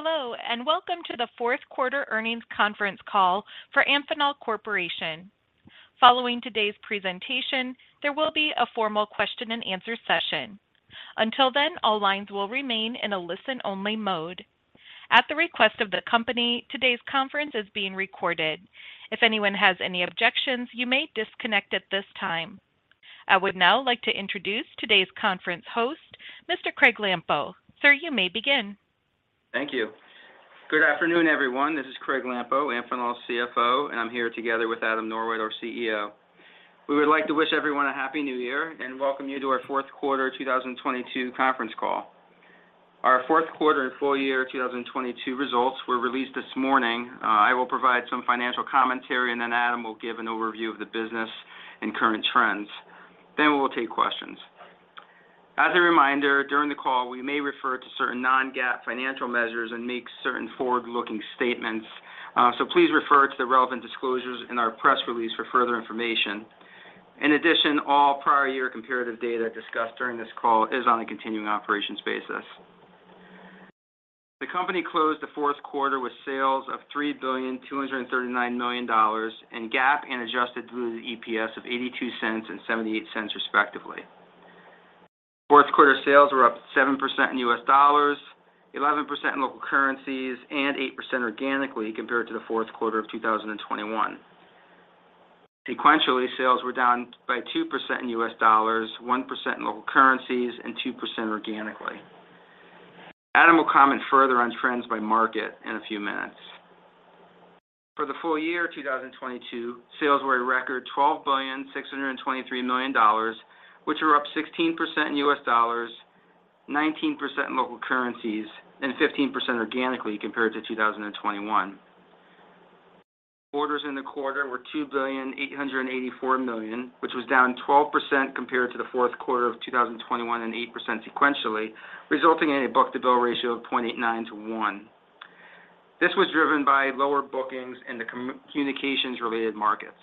Hello, welcome to the Fourth Quarter Earnings Conference Call for Amphenol Corporation. Following today's presentation, there will be a formal question-and-answer session. Until then, all lines will remain in a listen-only mode. At the request of the company, today's conference is being recorded. If anyone has any objections, you may disconnect at this time. I would now like to introduce today's conference host, Mr. Craig Lampo. Sir, you may begin. Thank you. Good afternoon, everyone. This is Craig Lampo, Amphenol's CFO. I'm here together with Adam Norwitt, our CEO. We would like to wish everyone a happy New Year and welcome you to our fourth quarter 2022 conference call. Our fourth quarter and full year 2022 results were released this morning. I will provide some financial commentary. Then Adam will give an overview of the business and current trends. We will take questions. As a reminder, during the call, we may refer to certain non-GAAP financial measures and make certain forward-looking statements. Please refer to the relevant disclosures in our press release for further information. In addition, all prior year comparative data discussed during this call is on a continuing operations basis. The company closed the fourth quarter with sales of $3.239 billion in GAAP and adjusted diluted EPS of $0.82 and $0.78, respectively. Fourth quarter sales were up 7% in U.S. dollars, 11% in local currencies, and 8% organically compared to the fourth quarter of 2021. Sequentially, sales were down by 2% in U.S. dollars, 1% in local currencies, and 2% organically. Adam will comment further on trends by market in a few minutes. For the full year 2022, sales were a record $12.623 billion, which were up 16% in U.S. dollars, 19% in local currencies, and 15% organically compared to 2021. Orders in the quarter were $2.884 billion, which was down 12% compared to the fourth quarter of 2021 and 8% sequentially, resulting in a book-to-bill ratio of 0.89:1. This was driven by lower bookings in the communications related markets.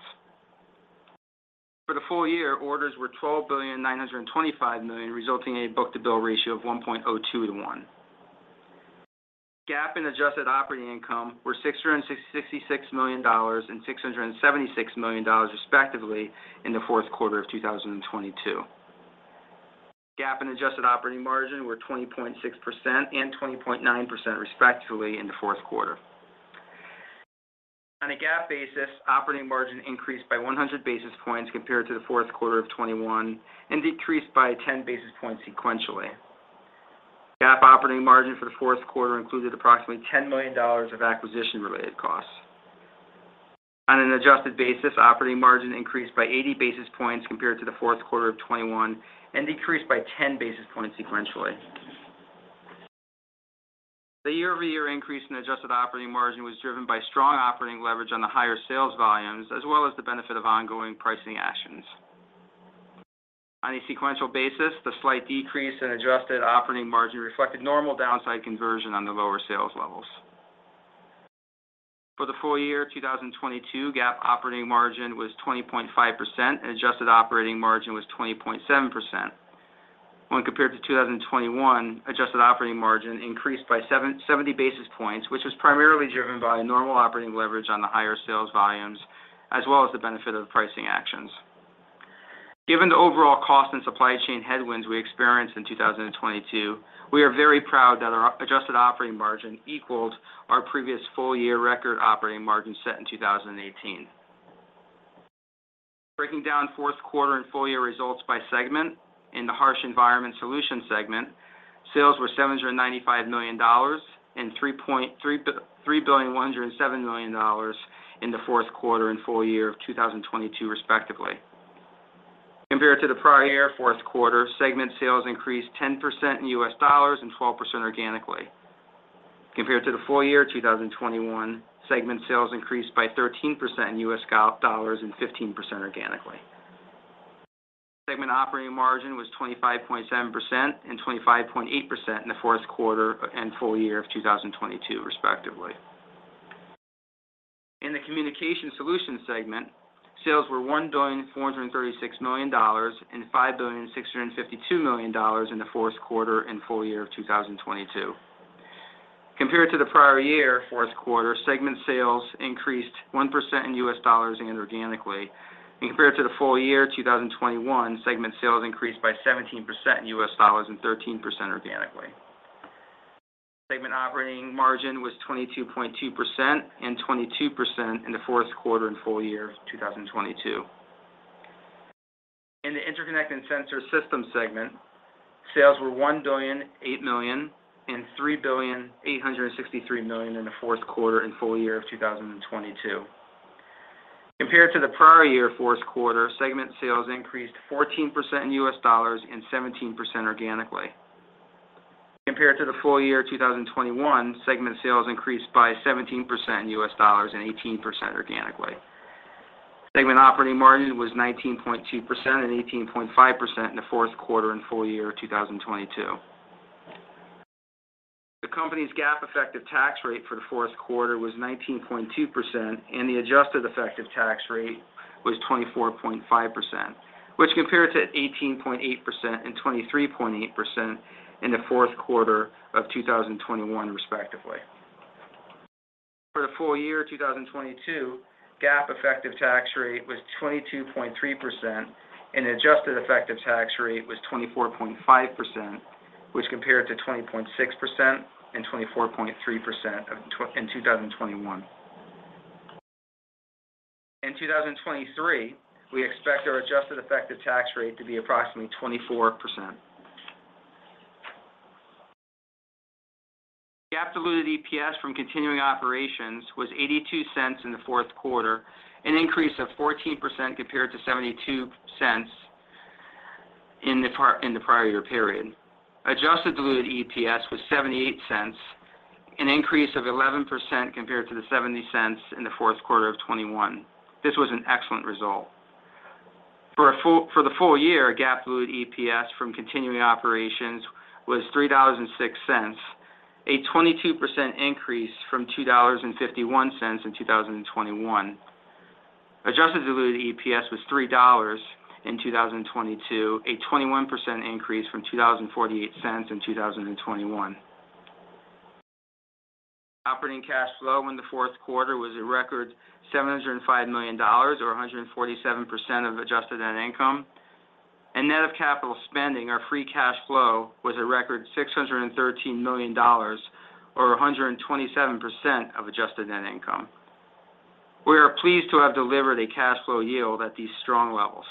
For the full year, orders were $12.925 billion, resulting in a book-to-bill ratio of 1.02:1. GAAP and adjusted operating income were $666 million and $676 million, respectively, in the fourth quarter of 2022. GAAP and adjusted operating margin were 20.6% and 20.9%, respectively, in the fourth quarter. On a GAAP basis, operating margin increased by 100 basis points compared to the fourth quarter of 2021 and decreased by 10 basis points sequentially. GAAP operating margin for the fourth quarter included approximately $10 million of acquisition-related costs. On an adjusted basis, operating margin increased by 80 basis points compared to the fourth quarter of 2021 and decreased by 10 basis points sequentially. The year-over-year increase in adjusted operating margin was driven by strong operating leverage on the higher sales volumes as well as the benefit of ongoing pricing actions. On a sequential basis, the slight decrease in adjusted operating margin reflected normal downside conversion on the lower sales levels. For the full year 2022, GAAP operating margin was 20.5%, and adjusted operating margin was 20.7%. When compared to 2021, adjusted operating margin increased by 770 basis points, which was primarily driven by normal operating leverage on the higher sales volumes as well as the benefit of pricing actions. Given the overall cost and supply chain headwinds we experienced in 2022, we are very proud that our adjusted operating margin equaled our previous full-year record operating margin set in 2018. Breaking down fourth quarter and full year results by segment. In the Harsh Environment Solutions segment, sales were $795 million and $3.107 billion in the fourth quarter and full year of 2022, respectively. Compared to the prior year fourth quarter, segment sales increased 10% in U.S. dollars and 12% organically. Compared to the full year 2021, segment sales increased by 13% in U.S. dollars and 15% organically. Segment operating margin was 25.7% and 25.8% in the fourth quarter and full year of 2022, respectively. In the Communication Solutions segment, sales were $1.436 billion and $5.652 billion in the fourth quarter and full year of 2022. Compared to the prior year fourth quarter, segment sales increased 1% in U.S. dollars and organically. Compared to the full year 2021, segment sales increased by 17% in U.S. dollars and 13% organically. Segment operating margin was 22.2% and 22% in the fourth quarter and full year of 2022. In the Interconnect and Sensor Systems segment, sales were $1.008 billion and $3.863 billion in the fourth quarter and full year of 2022. Compared to the prior year fourth quarter, segment sales increased 14% in U.S. dollars and 17% organically. Compared to the full year 2021, segment sales increased by 17% in U.S. dollars and 18% organically. Segment operating margin was 19.2% and 18.5% in the fourth quarter and full year of 2022. The company's GAAP effective tax rate for the fourth quarter was 19.2%, and the adjusted effective tax rate was 24.5%, which compared to 18.8% and 23.8% in the fourth quarter of 2021 respectively. For the full year 2022, GAAP effective tax rate was 22.3% and adjusted effective tax rate was 24.5%, which compared to 20.6% and 24.3% in 2021. In 2023, we expect our adjusted effective tax rate to be approximately 24%. GAAP diluted EPS from continuing operations was $0.82 in the fourth quarter, an increase of 14% compared to $0.72 in the prior year period. Adjusted diluted EPS was $0.78, an increase of 11% compared to the $0.70 in the fourth quarter of 2021. This was an excellent result. For the full year, GAAP diluted EPS from continuing operations was $3.06, a 22% increase from $2.51 in 2021. Adjusted diluted EPS was $3.00 in 2022, a 21% increase from $20.48 in 2021. Operating cash flow in the fourth quarter was a record $705 million, or 147% of adjusted net income. Net of capital spending, our free cash flow was a record $613 million or 127% of adjusted net income. We are pleased to have delivered a cash flow yield at these strong levels.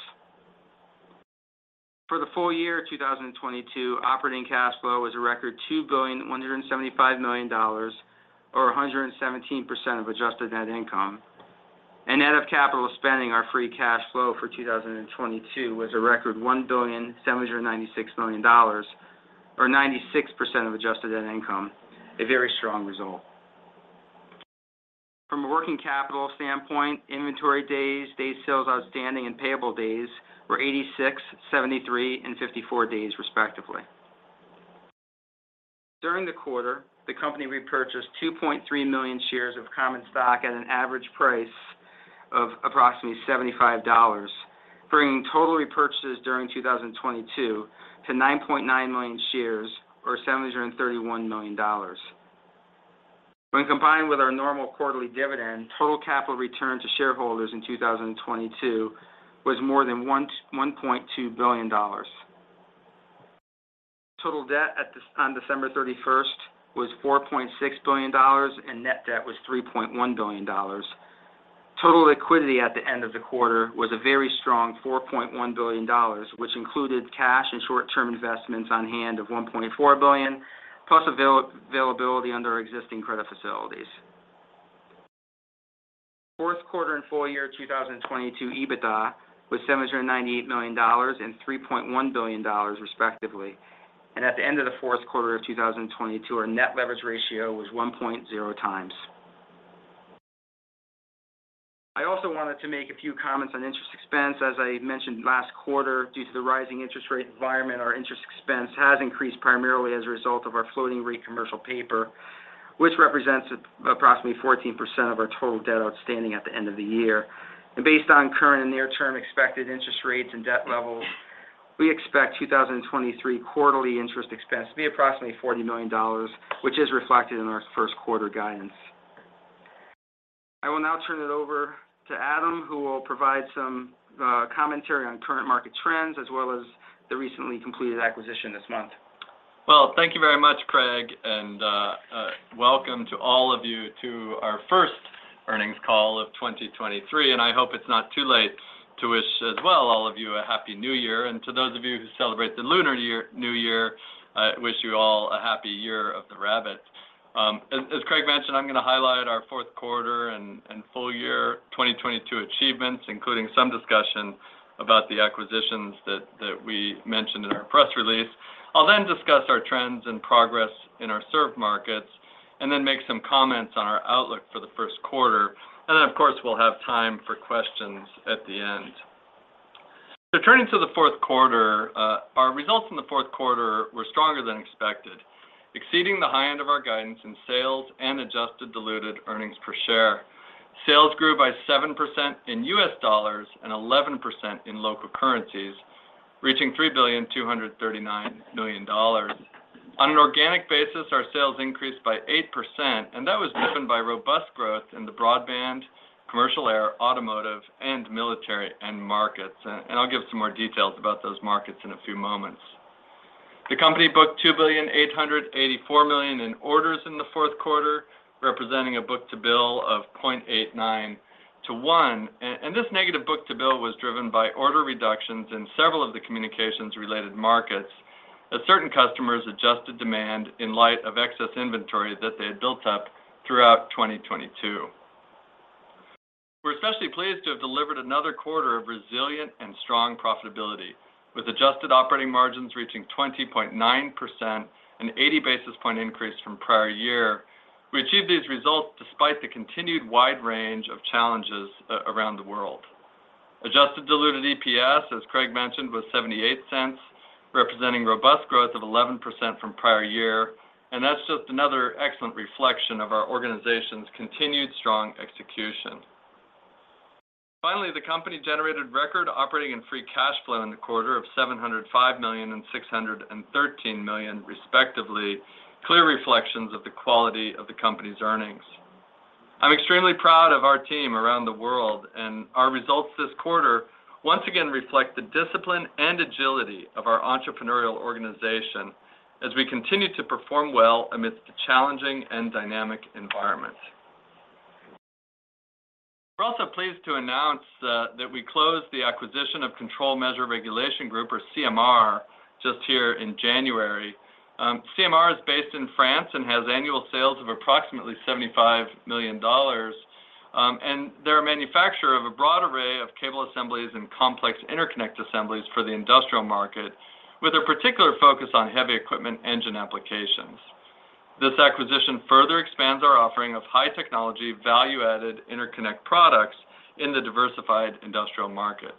For the full year 2022, operating cash flow was a record $2.175 billion or 117% of adjusted net income. Net of capital spending, our free cash flow for 2022 was a record $1.796 billion or 96% of adjusted net income. A very strong result. From a working capital standpoint, inventory days, day sales outstanding, and payable days were 86, 73, and 54 days respectively. During the quarter, the company repurchased 2.3 million shares of common stock at an average price of approximately $75, bringing total repurchases during 2022 to 9.9 million shares or $731 million. When combined with our normal quarterly dividend, total capital return to shareholders in 2022 was more than $1.2 billion. Total debt on December 31st was $4.6 billion, and net debt was $3.1 billion. Total liquidity at the end of the quarter was a very strong $4.1 billion, which included cash and short-term investments on hand of $1.4 billion, plus availability under existing credit facilities. Fourth quarter and full year 2022 EBITDA was $798 million and $3.1 billion respectively. At the end of the fourth quarter of 2022, our net leverage ratio was 1.0 times. I also wanted to make a few comments on interest expense. As I mentioned last quarter, due to the rising interest rate environment, our interest expense has increased primarily as a result of our floating rate commercial paper, which represents approximately 14% of our total debt outstanding at the end of the year. Based on current and near-term expected interest rates and debt levels, we expect 2023 quarterly interest expense to be approximately $40 million, which is reflected in our first quarter guidance. I will now turn it over to Adam, who will provide some commentary on current market trends as well as the recently completed acquisition this month. Well, thank you very much, Craig, welcome to all of you to our first earnings call of 2023. I hope it's not too late to wish as well all of you a happy New Year. To those of you who celebrate the Lunar New Year, I wish you all a happy year of the rabbit. As Craig mentioned, I'm going to highlight our fourth quarter and full year 2022 achievements, including some discussion about the acquisitions that we mentioned in our press release. I'll then discuss our trends and progress in our served markets, and then make some comments on our outlook for the first quarter. Of course, we'll have time for questions at the end. Turning to the fourth quarter, our results in the fourth quarter were stronger than expected, exceeding the high end of our guidance in sales and adjusted diluted earnings per share. Sales grew by 7% in U.S. dollars and 11% in local currencies, reaching $3.239 billion. On an organic basis, our sales increased by 8%, and that was driven by robust growth in the broadband, commercial air, automotive, and military end markets. I'll give some more details about those markets in a few moments. The company booked $2.884 billion in orders in the fourth quarter, representing a book-to-bill of 0.89:1. This negative book-to-bill was driven by order reductions in several of the communications related markets as certain customers adjusted demand in light of excess inventory that they had built up throughout 2022. We're especially pleased to have delivered another quarter of resilient and strong profitability, with adjusted operating margins reaching 20.9%, an 80 basis point increase from prior year. We achieved these results despite the continued wide range of challenges around the world. Adjusted diluted EPS, as Craig mentioned, was $0.78. Representing robust growth of 11% from prior year, that's just another excellent reflection of our organization's continued strong execution. Finally, the company generated record operating and free cash flow in the quarter of $705 million and $613 million respectively, clear reflections of the quality of the company's earnings. I'm extremely proud of our team around the world, and our results this quarter once again reflect the discipline and agility of our entrepreneurial organization as we continue to perform well amidst a challenging and dynamic environment. We're also pleased to announce that we closed the acquisition of Control Measure Regulation Group or CMR just here in January. CMR is based in France and has annual sales of approximately $75 million, and they're a manufacturer of a broad array of cable assemblies and complex interconnect assemblies for the industrial market with a particular focus on heavy equipment engine applications. This acquisition further expands our offering of high technology value-added interconnect products in the diversified industrial market.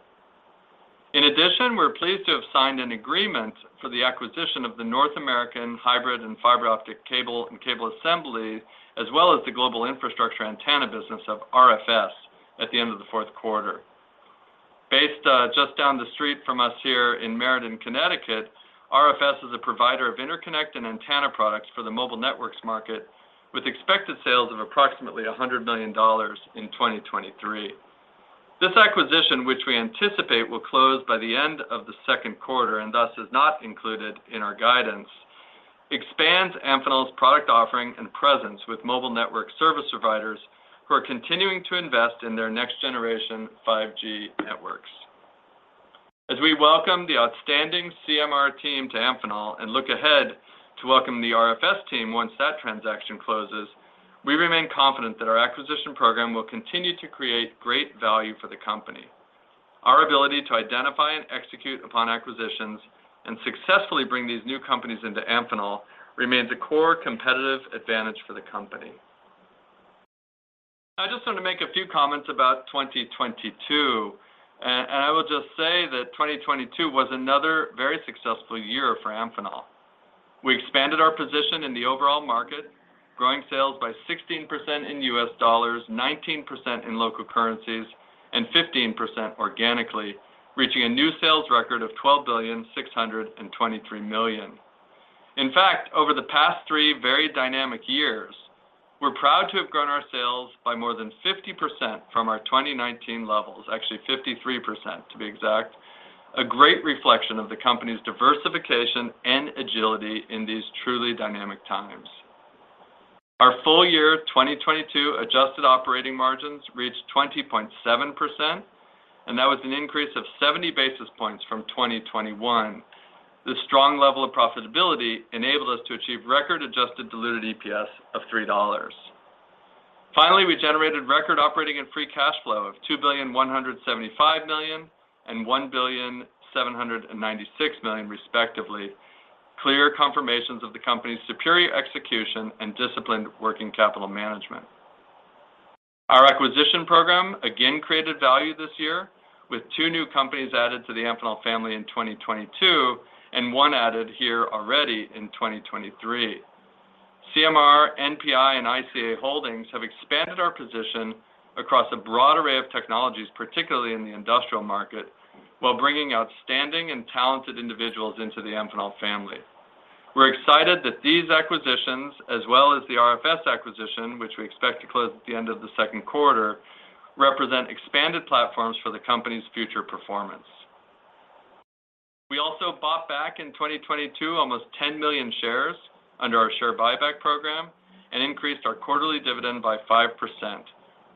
In addition, we're pleased to have signed an agreement for the acquisition of the North American hybrid and fiber optic cable and cable assembly, as well as the global infrastructure antenna business of RFS at the end of the fourth quarter. Based, just down the street from us here in Meriden, Connecticut, RFS is a provider of interconnect and antenna products for the mobile networks market with expected sales of approximately $100 million in 2023. This acquisition, which we anticipate, will close by the end of the second quarter and thus is not included in our guidance, expands Amphenol's product offering and presence with mobile network service providers who are continuing to invest in their next generation 5G networks. As we welcome the outstanding CMR team to Amphenol and look ahead to welcome the RFS team once that transaction closes, we remain confident that our acquisition program will continue to create great value for the company. I just want to make a few comments about 2022, and I will just say that 2022 was another very successful year for Amphenol. We expanded our position in the overall market, growing sales by 16% in U.S. dollars, 19% in local currencies, and 15% organically, reaching a new sales record of $12.623 billion. In fact, over the past three very dynamic years, we're proud to have grown our sales by more than 50% from our 2019 levels. Actually 53% to be exact, a great reflection of the company's diversification and agility in these truly dynamic times. Our full year 2022 adjusted operating margins reached 20.7%, and that was an increase of 70 basis points from 2021. This strong level of profitability enabled us to achieve record adjusted diluted EPS of $3. Finally, we generated record operating and free cash flow of $2.175 billion and $1.796 billion respectively, clear confirmations of the company's superior execution and disciplined working capital management. Our acquisition program again created value this year with two new companies added to the Amphenol family in 2022 and 1 added here already in 2023. CMR, NPI, and ICA Holdings have expanded our position across a broad array of technologies, particularly in the industrial market, while bringing outstanding and talented individuals into the Amphenol family. We're excited that these acquisitions, as well as the RFS acquisition, which we expect to close at the end of the second quarter, represent expanded platforms for the company's future performance. We also bought back in 2022 almost 10 million shares under our share buyback program and increased our quarterly dividend by 5%,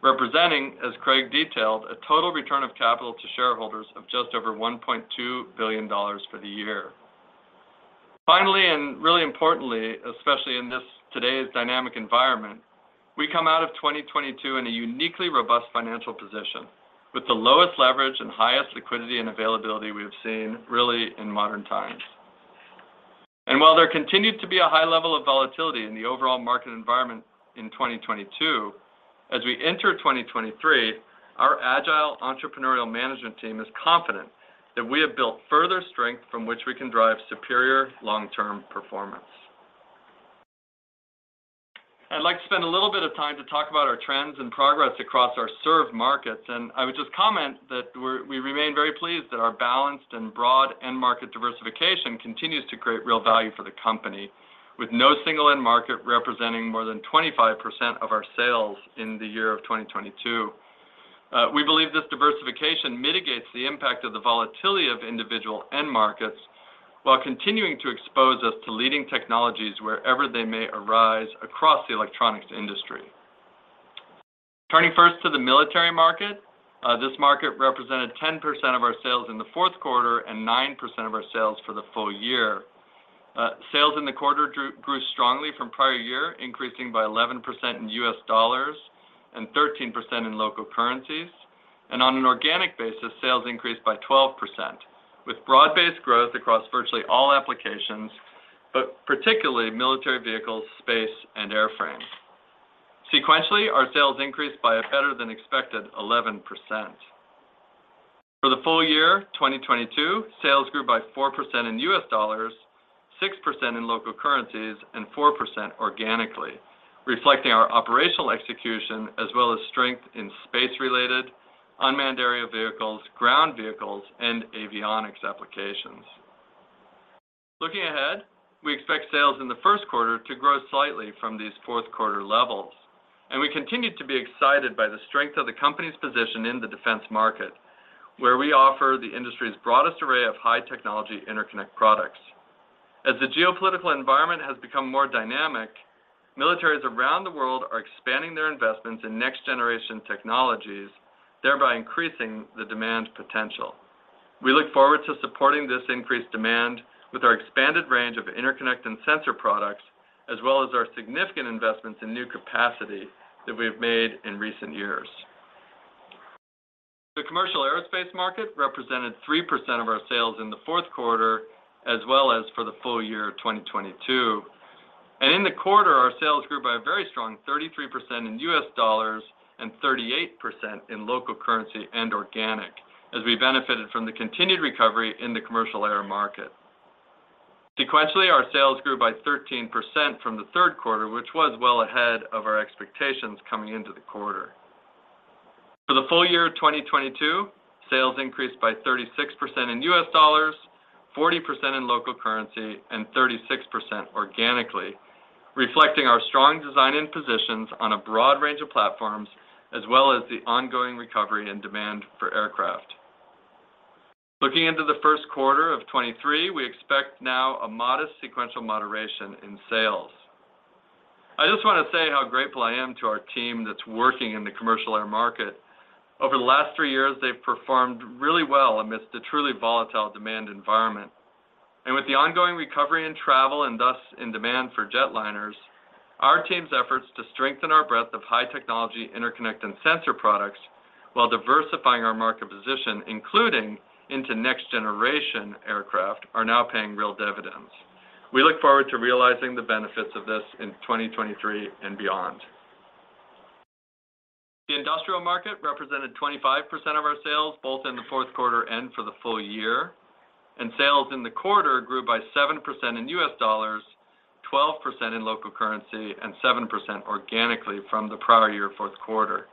representing, as Craig detailed, a total return of capital to shareholders of just over $1.2 billion for the year. Finally, and really importantly, especially in this today's dynamic environment, we come out of 2022 in a uniquely robust financial position with the lowest leverage and highest liquidity and availability we've seen really in modern times. While there continued to be a high level of volatility in the overall market environment in 2022, as we enter 2023, our agile entrepreneurial management team is confident that we have built further strength from which we can drive superior long-term performance. I'd like to spend a little bit of time to talk about our trends and progress across our served markets, and I would just comment that we remain very pleased that our balanced and broad end market diversification continues to create real value for the company with no single end market representing more than 25% of our sales in the year of 2022. We believe this diversification mitigates the impact of the volatility of individual end markets while continuing to expose us to leading technologies wherever they may arise across the electronics industry. Turning first to the military market, this market represented 10% of our sales in the fourth quarter and 9% of our sales for the full year. Sales in the quarter grew strongly from prior year, increasing by 11% in U.S. dollars and 13% in local currencies. On an organic basis, sales increased by 12% with broad-based growth across virtually all applica But particularly military vehicles, space and airframes. Sequentially, our sales increased by a better-than-expected 11%. For the full year 2022, sales grew by 4% in U.S. dollars, 6% in local currencies, and 4% organically, reflecting our operational execution as well as strength in space-related unmanned aerial vehicles, ground vehicles, and avionics applications. Looking ahead, we expect sales in the first quarter to grow slightly from these fourth quarter levels, and we continue to be excited by the strength of the company's position in the defense market, where we offer the industry's broadest array of high-technology interconnect products. As the geopolitical environment has become more dynamic, militaries around the world are expanding their investments in next-generation technologies, thereby increasing the demand potential. We look forward to supporting this increased demand with our expanded range of interconnect and sensor products, as well as our significant investments in new capacity that we have made in recent years. The commercial aerospace market represented 3% of our sales in the fourth quarter, as well as for the full year 2022. In the quarter, our sales grew by a very strong 33% in USD and 38% in local currency and organic as we benefited from the continued recovery in the commercial air market. Sequentially, our sales grew by 13% from the third quarter, which was well ahead of our expectations coming into the quarter. For the full year of 2022, sales increased by 36% in USD, 40% in local currency, and 36% organically, reflecting our strong design and positions on a broad range of platforms, as well as the ongoing recovery and demand for aircraft. Looking into the first quarter of 2023, we expect now a modest sequential moderation in sales. I just want to say how grateful I am to our team that's working in the commercial air market. Over the last three years, they've performed really well amidst a truly volatile demand environment. With the ongoing recovery in travel and thus in demand for jetliners, our team's efforts to strengthen our breadth of high-technology interconnect and sensor products while diversifying our market position, including into next-generation aircraft, are now paying real dividends. We look forward to realizing the benefits of this in 2023 and beyond. The industrial market represented 25% of our sales, both in the fourth quarter and for the full year. Sales in the quarter grew by 7% in U.S. dollars, 12% in local currency, and 7% organically from the prior year fourth quarter.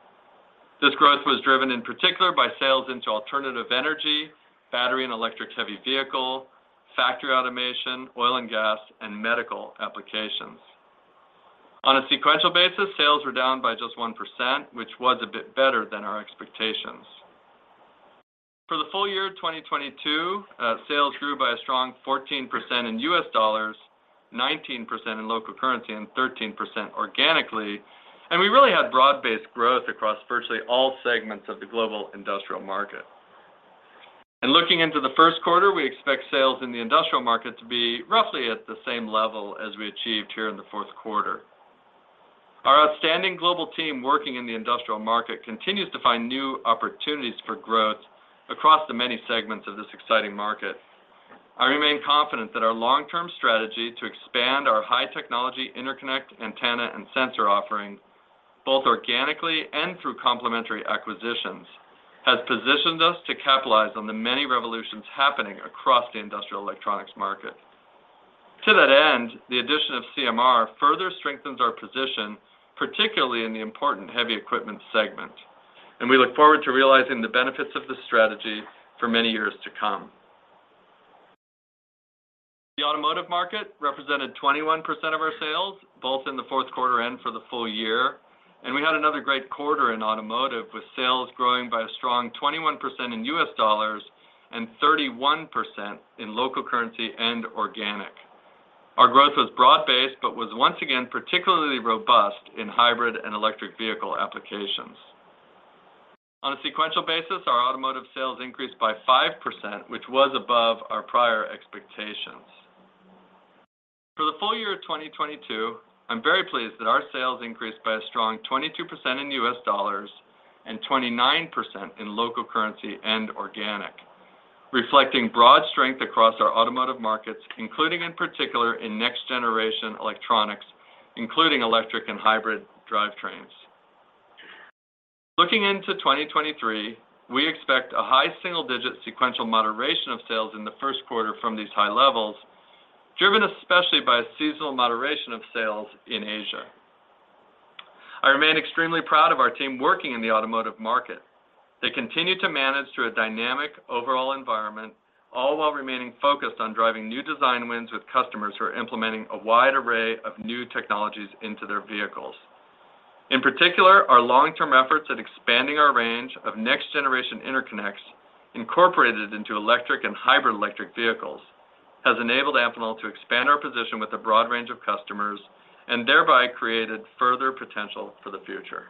This growth was driven in particular by sales into alternative energy, battery and electrics heavy vehicle, factory automation, oil and gas, and medical applications. On a sequential basis, sales were down by just 1%, which was a bit better than our expectations. For the full year of 2022, sales grew by a strong 14% in U.S. dollars, 19% in local currency, and 13% organically. We really had broad-based growth across virtually all segments of the global industrial market. Looking into the first quarter, we expect sales in the industrial market to be roughly at the same level as we achieved here in the fourth quarter. Our outstanding global team working in the industrial market continues to find new opportunities for growth across the many segments of this exciting market. I remain confident that our long-term strategy to expand our high-technology interconnect, antenna, and sensor offerings, both organically and through complementary acquisitions, has positioned us to capitalize on the many revolutions happening across the industrial electronics market. To that end, the addition of CMR further strengthens our position, particularly in the important heavy equipment segment, and we look forward to realizing the benefits of this strategy for many years to come. The automotive market represented 21% of our sales, both in the fourth quarter and for the full year, and we had another great quarter in automotive, with sales growing by a strong 21% in U.S. dollars and 31% in local currency and organic. Our growth was broad-based, but was once again particularly robust in hybrid and electric vehicle applications. On a sequential basis, our automotive sales increased by 5%, which was above our prior expectations. For the full year of 2022, I'm very pleased that our sales increased by a strong 22% in U.S. dollars and 29% in local currency and organic, reflecting broad strength across our automotive markets, including in particular in next-generation electronics, including electric and hybrid drivetrains. Looking into 2023, we expect a high single-digit sequential moderation of sales in the first quarter from these high levels, driven especially by a seasonal moderation of sales in Asia. I remain extremely proud of our team working in the automotive market. They continue to manage through a dynamic overall environment, all while remaining focused on driving new design wins with customers who are implementing a wide array of new technologies into their vehicles. In particular, our long-term efforts at expanding our range of next-generation interconnects incorporated into electric and hybrid electric vehicles has enabled Amphenol to expand our position with a broad range of customers and thereby created further potential for the future.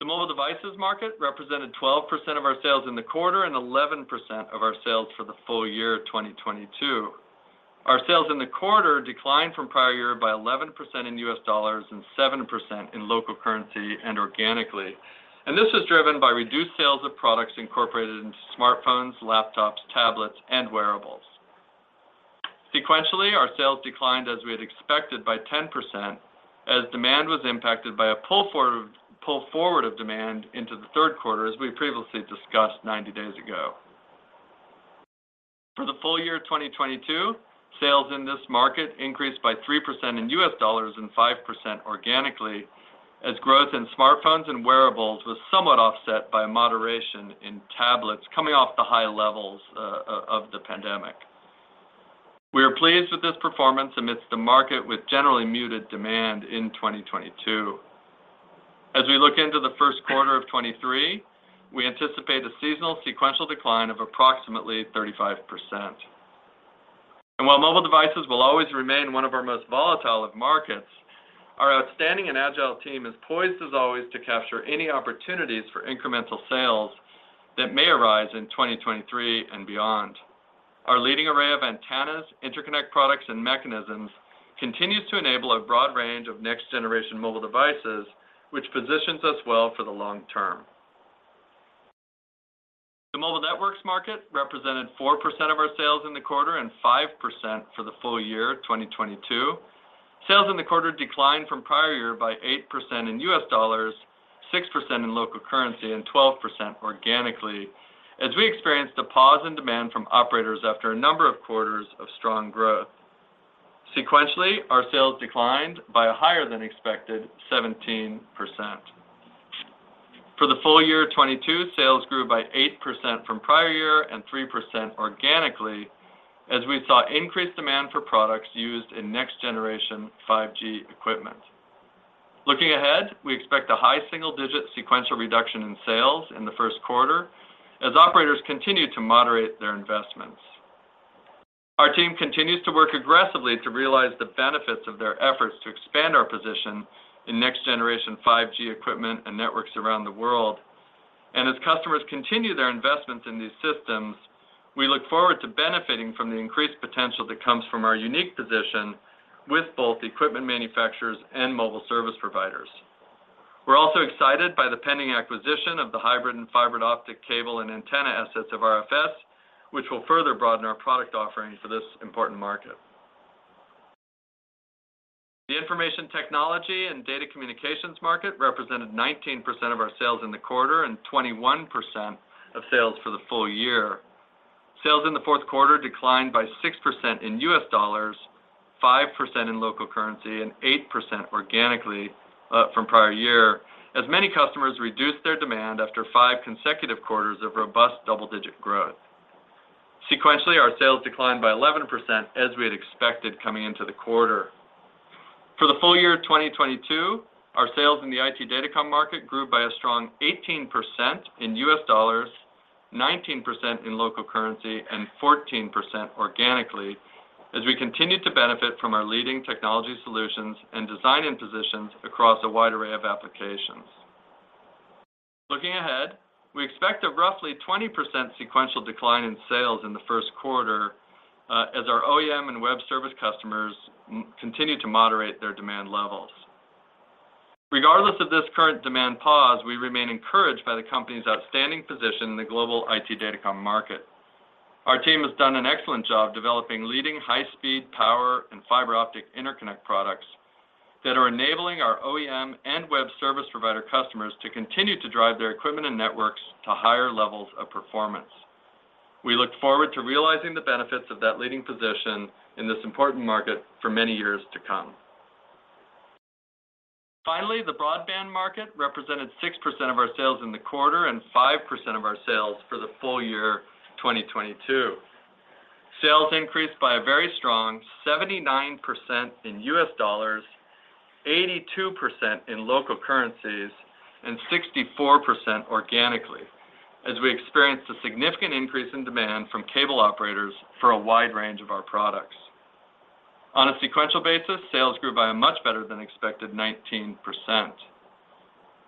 The mobile devices market represented 12% of our sales in the quarter and 11% of our sales for the full year 2022. Our sales in the quarter declined from prior year by 11% in U.S. dollars and 7% in local currency and organically. This was driven by reduced sales of products incorporated into smartphones, laptops, tablets, and wearables. Sequentially, our sales declined as we had expected by 10% as demand was impacted by a pull forward of demand into the third quarter as we previously discussed 90 days ago. For the full year of 2022, sales in this market increased by 3% in U.S. dollars and 5% organically as growth in smartphones and wearables was somewhat offset by moderation in tablets coming off the high levels of the pandemic. We are pleased with this performance amidst the market with generally muted demand in 2022. We look into the first quarter of 2023, we anticipate a seasonal sequential decline of approximately 35%. While mobile devices will always remain one of our most volatile of markets, our outstanding and agile team is poised as always to capture any opportunities for incremental sales that may arise in 2023 and beyond. Our leading array of antennas, interconnect products, and mechanisms continues to enable a broad range of next-generation mobile devices, which positions us well for the long term. The mobile networks market represented 4% of our sales in the quarter and 5% for the full year 2022. Sales in the quarter declined from prior year by 8% in U.S. dollars, 6% in local currency, and 12% organically as we experienced a pause in demand from operators after a number of quarters of strong growth. Sequentially, our sales declined by a higher than expected 17%. For the full year 2022, sales grew by 8% from prior year and 3% organically as we saw increased demand for products used in next-generation 5G equipment. Looking ahead, we expect a high single-digit sequential reduction in sales in the first quarter as operators continue to moderate their investments. Our team continues to work aggressively to realize the benefits of their efforts to expand our position in next-generation 5G equipment and networks around the world. As customers continue their investments in these systems, we look forward to benefiting from the increased potential that comes from our unique position with both equipment manufacturers and mobile service providers. We're also excited by the pending acquisition of the hybrid and fiber optic cable and antenna assets of RFS, which will further broaden our product offering for this important market. The Information Technology and Data Communications market represented 19% of our sales in the quarter and 21% of sales for the full year. Sales in the fourth quarter declined by 6% in $, 5% in local currency, and 8% organically from prior year, as many customers reduced their demand after five consecutive quarters of robust double-digit growth. Sequentially, our sales declined by 11% as we had expected coming into the quarter. For the full year 2022, our sales in the IT data comm market grew by a strong 18% in U.S. dollars, 19% in local currency, and 14% organically as we continued to benefit from our leading technology solutions and design-in positions across a wide array of applications. Looking ahead, we expect a roughly 20% sequential decline in sales in the first quarter, as our OEM and web service customers continue to moderate their demand levels. Regardless of this current demand pause, we remain encouraged by the company's outstanding position in the global IT data comm market. Our team has done an excellent job developing leading high-speed power and fiber optic interconnect products that are enabling our OEM and web service provider customers to continue to drive their equipment and networks to higher levels of performance. We look forward to realizing the benefits of that leading position in this important market for many years to come. Finally, the broadband market represented 6% of our sales in the quarter and 5% of our sales for the full year 2022. Sales increased by a very strong 79% in U.S.Dollars, 82% in local currencies, and 64% organically as we experienced a significant increase in demand from cable operators for a wide range of our products. On a sequential basis, sales grew by a much better than expected 19%.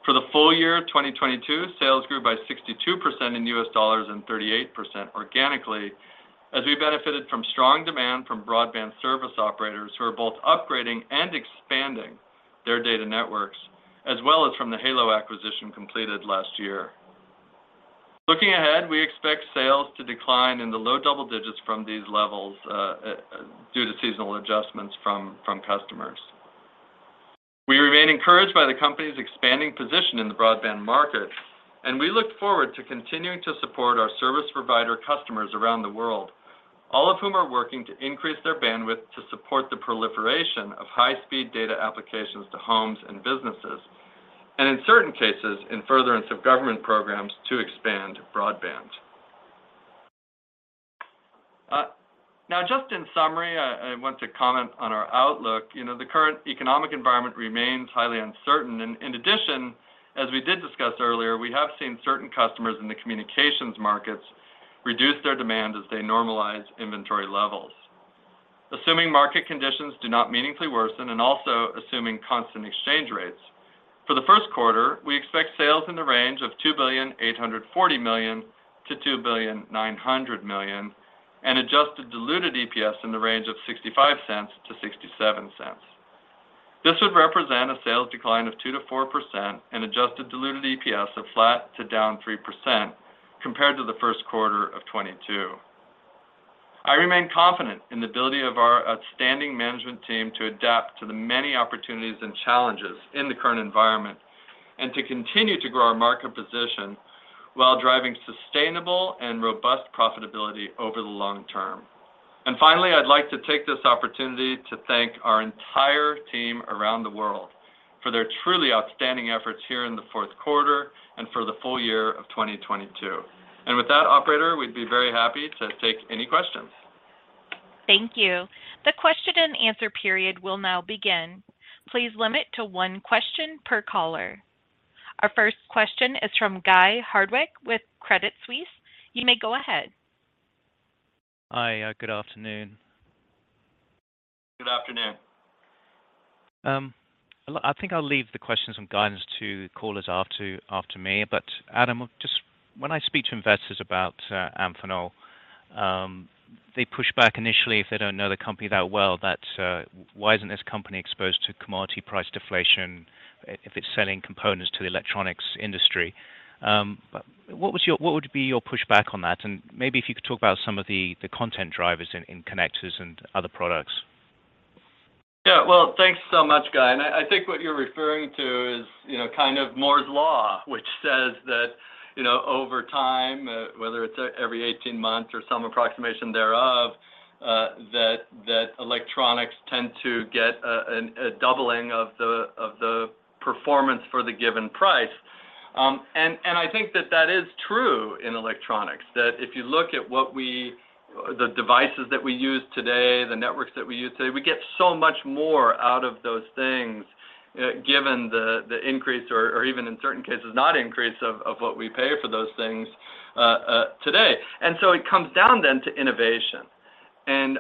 For the full year 2022, sales grew by 62% in U.S. dollars and 38% organically as we benefited from strong demand from broadband service operators who are both upgrading and expanding their data networks, as well as from the Halo acquisition completed last year. Looking ahead, we expect sales to decline in the low double digits from these levels due to seasonal adjustments from customers. We remain encouraged by the company's expanding position in the broadband market, and we look forward to continuing to support our service provider customers around the world, all of whom are working to increase their bandwidth to support the proliferation of high-speed data applications to homes and businesses, and in certain cases, in furtherance of government programs to expand broadband. Now just in summary, I want to comment on our outlook. You know, the current economic environment remains highly uncertain. In addition, as we did discuss earlier, we have seen certain customers in the communications markets reduce their demand as they normalize inventory levels. Assuming market conditions do not meaningfully worsen and also assuming constant exchange rates. For the first quarter, we expect sales in the range of $2.84 billion-$2.9 billion and adjusted diluted EPS in the range of $0.65-$0.67. This would represent a sales decline of 2%-4% and adjusted diluted EPS of flat to down 3% compared to the first quarter of 2022. I remain confident in the ability of our outstanding management team to adapt to the many opportunities and challenges in the current environment and to continue to grow our market position while driving sustainable and robust profitability over the long term. Finally, I'd like to take this opportunity to thank our entire team around the world for their truly outstanding efforts here in the fourth quarter and for the full year of 2022. With that, operator, we'd be very happy to take any questions. Thank you. The question and answer period will now begin. Please limit to one question per caller. Our first question is from Guy Hardwick with Credit Suisse. You may go ahead. Hi. Good afternoon. Good afternoon. I think I'll leave the questions and guidance to callers after me. Adam, just when I speak to investors about Amphenol, they push back initially if they don't know the company that well, that why isn't this company exposed to commodity price deflation if it's selling components to the electronics industry? What would be your pushback on that? Maybe if you could talk about some of the content drivers in connectors and other products. Yeah. Well, thanks so much, Guy. I think what you're referring to is, you know, kind of Moore's Law, which says that, you know, over time, whether it's every 18 months or some approximation thereof, that electronics tend to get a doubling of the performance for the given price. I think that is true in electronics, that if you look at what the devices that we use today, the networks that we use today, we get so much more out of those things given the increase or even in certain cases not increase of what we pay for those things today. It comes down then to innovation.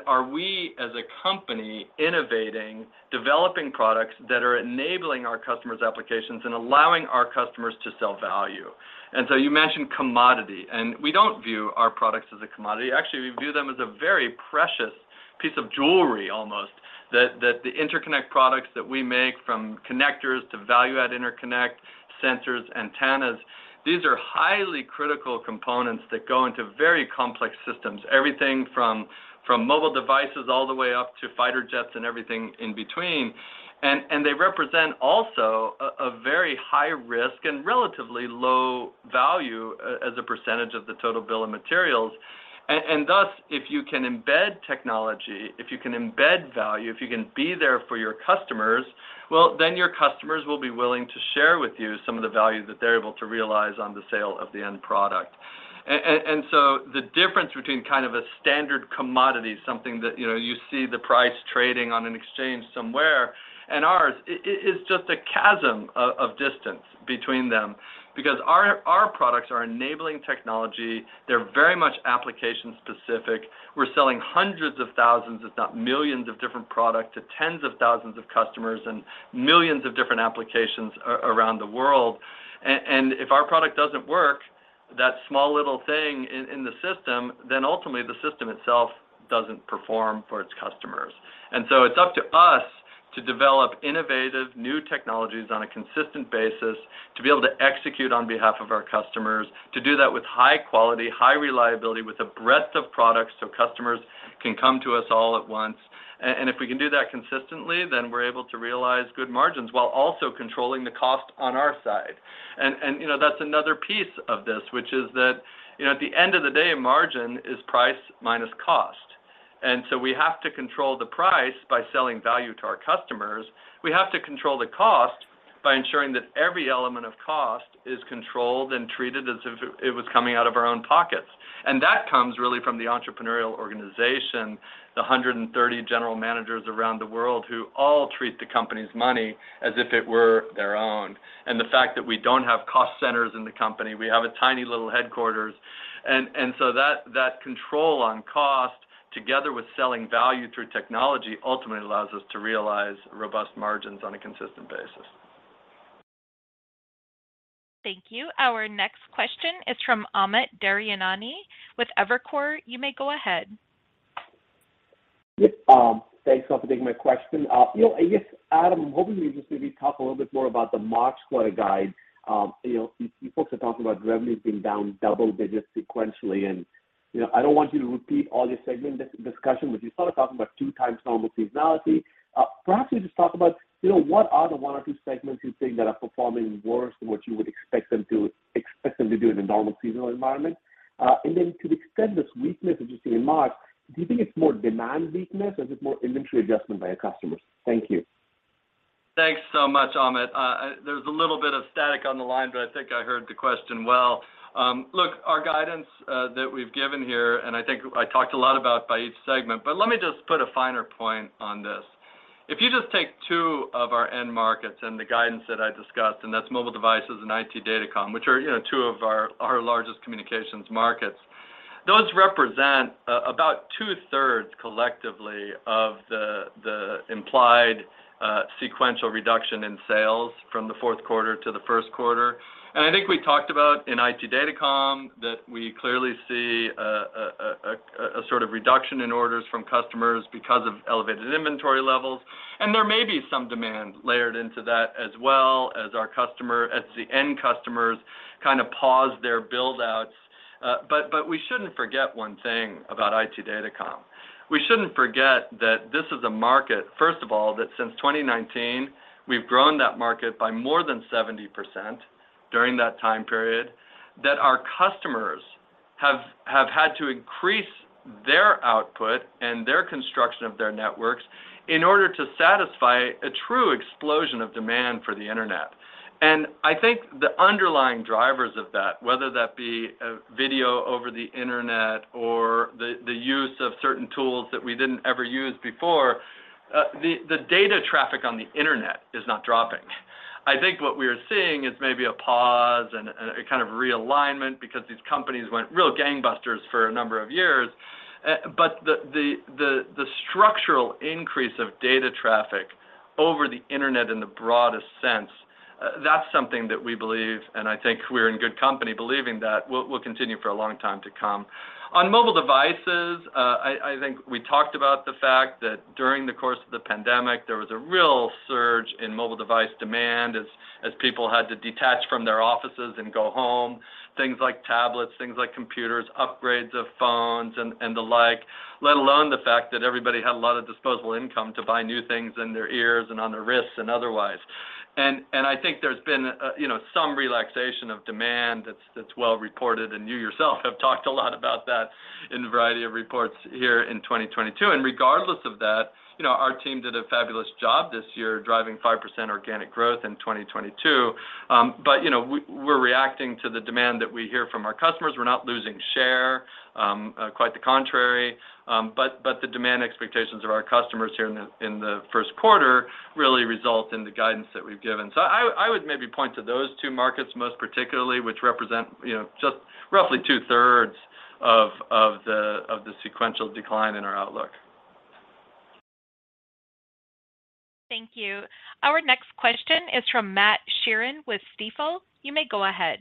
Are we, as a company, innovating, developing products that are enabling our customers applications and allowing our customers to sell value? You mentioned commodity, and we don't view our products as a commodity. Actually, we view them as a very precious piece of jewelry, almost, that the interconnect products that we make, from connectors to value-add interconnect, sensors, antennas, these are highly critical components that go into very complex systems. Everything from mobile devices all the way up to fighter jets and everything in between. They represent also a very high risk and relatively low value as a percentage of the total bill of materials. Thus, if you can embed technology, if you can embed value, if you can be there for your customers, well, then your customers will be willing to share with you some of the value that they're able to realize on the sale of the end product. The difference between kind of a standard commodity, something that, you know, you see the price trading on an exchange somewhere, and ours is just a chasm of distance between them because our products are enabling technology. They're very much application-specific. We're selling hundreds of thousands, if not millions of different products to tens of thousands of customers and millions of different applications around the world. If our product doesn't work, that small little thing in the system, then ultimately the system itself doesn't perform for its customers. It's up to us to develop innovative new technologies on a consistent basis, to be able to execute on behalf of our customers, to do that with high quality, high reliability, with a breadth of products so customers can come to us all at once. If we can do that consistently, then we're able to realize good margins while also controlling the cost on our side. You know, that's another piece of this, which is that, you know, at the end of the day, margin is price minus cost. We have to control the price by selling value to our customers. We have to control the cost by ensuring that every element of cost is controlled and treated as if it was coming out of our own pockets. That comes really from the entrepreneurial organization, the 130 general managers around the world who all treat the company's money as if it were their own. The fact that we don't have cost centers in the company, we have a tiny little headquarters. That control on cost, together with selling value through technology, ultimately allows us to realize robust margins on a consistent basis. Thank you. Our next question is from Amit Daryanani with Evercore. You may go ahead. Yeah. Thanks a lot for taking my question. You know, I guess, Adam, hoping you could just maybe talk a little bit more about the March quarter guide. You know, you folks are talking about revenues being down double digits sequentially. You know, I don't want you to repeat all your segment discussion, but you started talking about two times normal seasonality. Perhaps you could just talk about, you know, what are the one or two segments you think that are performing worse than what you would expect them to do in a normal seasonal environment? To the extent this weakness that you see in March, do you think it's more demand weakness or is it more inventory adjustment by your customers? Thank you. Thanks so much, Amit. There's a little bit of static on the line, but I think I heard the question well. Look, our guidance that we've given here, and I think I talked a lot about by each segment, but let me just put a finer point on this. If you just take two of our end markets and the guidance that I discussed, and that's Mobile Devices and IT data comm, which are, you know, two of our largest communications markets. Those represent about two-thirds collectively of the implied sequential reduction in sales from the fourth quarter to the first quarter. I think we talked about in IT data comm that we clearly see a sort of reduction in orders from customers because of elevated inventory levels. There may be some demand layered into that as well as our end customers kind of pause their build-outs. We shouldn't forget one thing about IT data comm. We shouldn't forget that this is a market, first of all, that since 2019, we've grown that market by more than 70% during that time period, that our customers have had to increase their output and their construction of their networks in order to satisfy a true explosion of demand for the Internet. I think the underlying drivers of that, whether that be video over the Internet or the use of certain tools that we didn't ever use before, the data traffic on the Internet is not dropping. I think what we're seeing is maybe a pause and a kind of realignment because these companies went real gangbusters for a number of years. The structural increase of data traffic over the Internet in the broadest sense, that's something that we believe, and I think we're in good company believing that, will continue for a long time to come. On mobile devices, I think we talked about the fact that during the course of the pandemic, there was a real surge in mobile device demand as people had to detach from their offices and go home, things like tablets, things like computers, upgrades of phones and the like, let alone the fact that everybody had a lot of disposable income to buy new things in their ears and on their wrists and otherwise. I think there's been, you know, some relaxation of demand that's well reported, and you yourself have talked a lot about that in a variety of reports here in 2022. Regardless of that, you know, our team did a fabulous job this year driving 5% organic growth in 2022. You know, we're reacting to the demand that we hear from our customers. We're not losing share, quite the contrary. The demand expectations of our customers here in the first quarter really result in the guidance that we've given. I would maybe point to those two markets most particularly, which represent, you know, just roughly 2/3 of the sequential decline in our outlook. Thank you. Our next question is from Matthew Sheerin with Stifel. You may go ahead.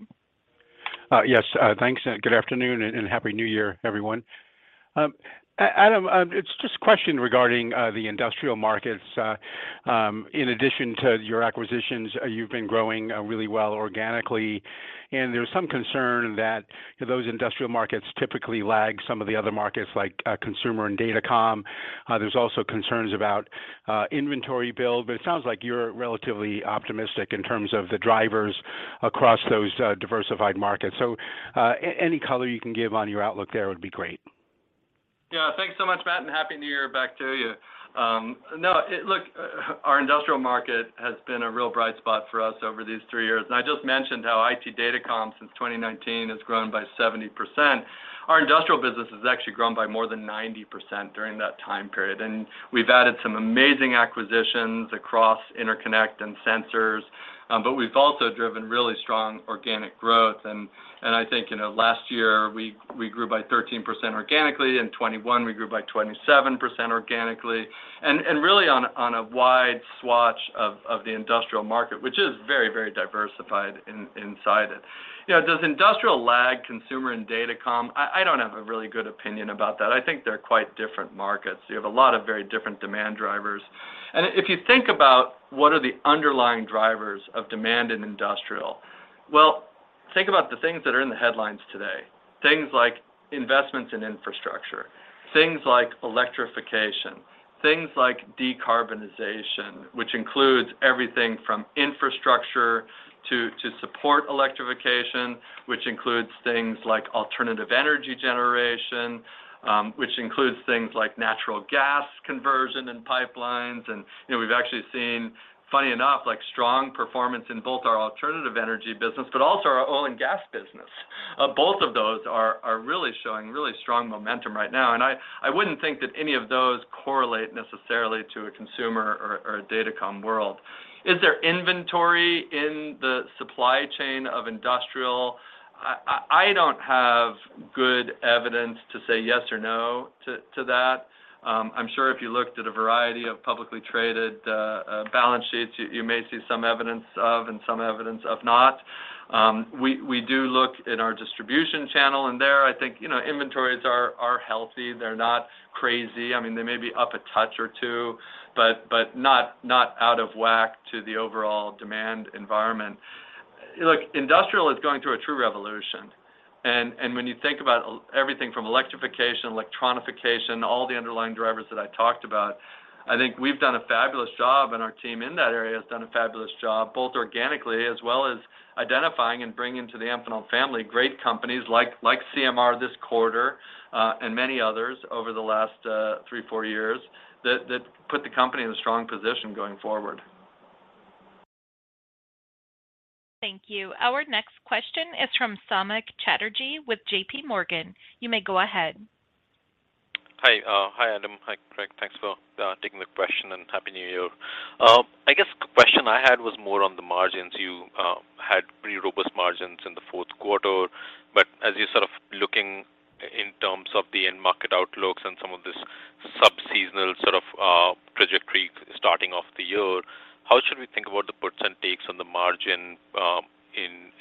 Yes. Thanks, good afternoon, and Happy New Year, everyone. Adam, it's just a question regarding the industrial markets. In addition to your acquisitions, you've been growing really well organically. There's some concern that those industrial markets typically lag some of the other markets like Consumer and Datacom. There's also concerns about inventory build, but it sounds like you're relatively optimistic in terms of the drivers across those diversified markets. Any color you can give on your outlook there would be great. Yeah. Thanks so much, Matt, Happy New Year back to you. No, look, our industrial market has been a real bright spot for us over these three years. I just mentioned how IT data comm since 2019 has grown by 70%. Our industrial business has actually grown by more than 90% during that time period. We've added some amazing acquisitions across Interconnect and Sensor Systems, but we've also driven really strong organic growth. I think, you know, last year we grew by 13% organically. In 2021, we grew by 27% organically. Really on a wide swath of the industrial market, which is very, very diversified inside it. You know, does industrial lag consumer and data comm? I don't have a really good opinion about that. I think they're quite different markets. You have a lot of very different demand drivers. If you think about what are the underlying drivers of demand in industrial, well, think about the things that are in the headlines today. Things like investments in infrastructure, things like electrification, things like decarbonization, which includes everything from infrastructure to support electrification, which includes things like alternative energy generation, which includes things like natural gas conversion and pipelines. You know, we've actually seen, funny enough, like strong performance in both our alternative energy business, but also our oil and gas business. Both of those are really showing really strong momentum right now. I wouldn't think that any of those correlate necessarily to a consumer or a Datacom world. Is there inventory in the supply chain of industrial? I don't have good evidence to say yes or no to that. I'm sure if you looked at a variety of publicly traded balance sheets, you may see some evidence of and some evidence of not. We do look in our distribution channel, there I think, you know, inventories are healthy. They're not crazy. I mean, they may be up a touch or two, but not out of whack to the overall demand environment. Industrial is going through a true revolution. When you think about everything from electrification, electronification, all the underlying drivers that I talked about, I think we've done a fabulous job, and our team in that area has done a fabulous job, both organically as well as identifying and bringing to the Amphenol family great companies like CMR this quarter, and many others over the last, three, four years that put the company in a strong position going forward. Thank you. Our next question is from Samik Chatterjee with JPMorgan. You may go ahead. Hi, hi, Adam. Hi, Craig. Thanks for taking the question, and Happy New Year. I guess the question I had was more on the margins. You had pretty robust margins in the fourth quarter, but as you're sort of looking in terms of the end market outlooks and some of this sub-seasonal sort of trajectory starting off the year, how should we think about the percentages on the margin, and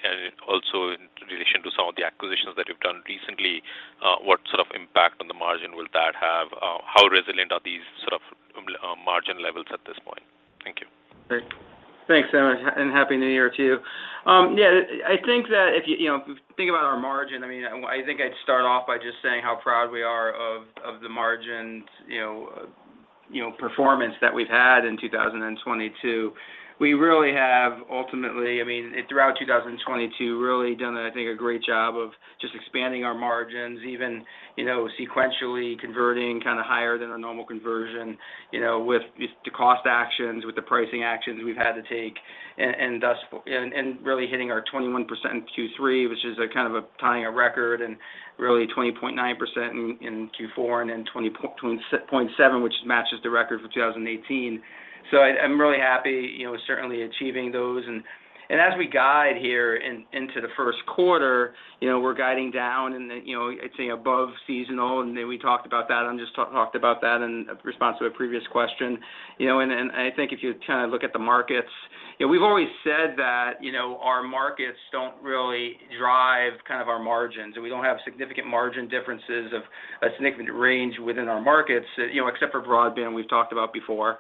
also in relation to some of the acquisitions that you've done recently, what sort of impact on the margin will that have? How resilient are these sort of margin levels at this point? Thank you. Great. Thanks, and Happy New Year to you. Yeah, I think that if you know, think about our margin, I mean, I think I'd start off by just saying how proud we are of the margin, you know, performance that we've had in 2022. We really have ultimately, I mean, throughout 2022, really done, I think, a great job of just expanding our margins, even, you know, sequentially converting kind of higher than a normal conversion, you know, with the cost actions, with the pricing actions we've had to take and really hitting our 21% in Q3, which is a kind of tying a record and really 20.9% in Q4 and then 20.7, which matches the record for 2018. I'm really happy, you know, certainly achieving those. As we guide here into the first quarter, you know, we're guiding down and then, you know, I'd say above seasonal, and then we talked about that. just talked about that in response to a previous question. I think if you kind of look at the markets, you know, we've always said that, you know, our markets don't really drive kind of our margins, and we don't have significant margin differences of a significant range within our markets. You know, except for broadband we've talked about before,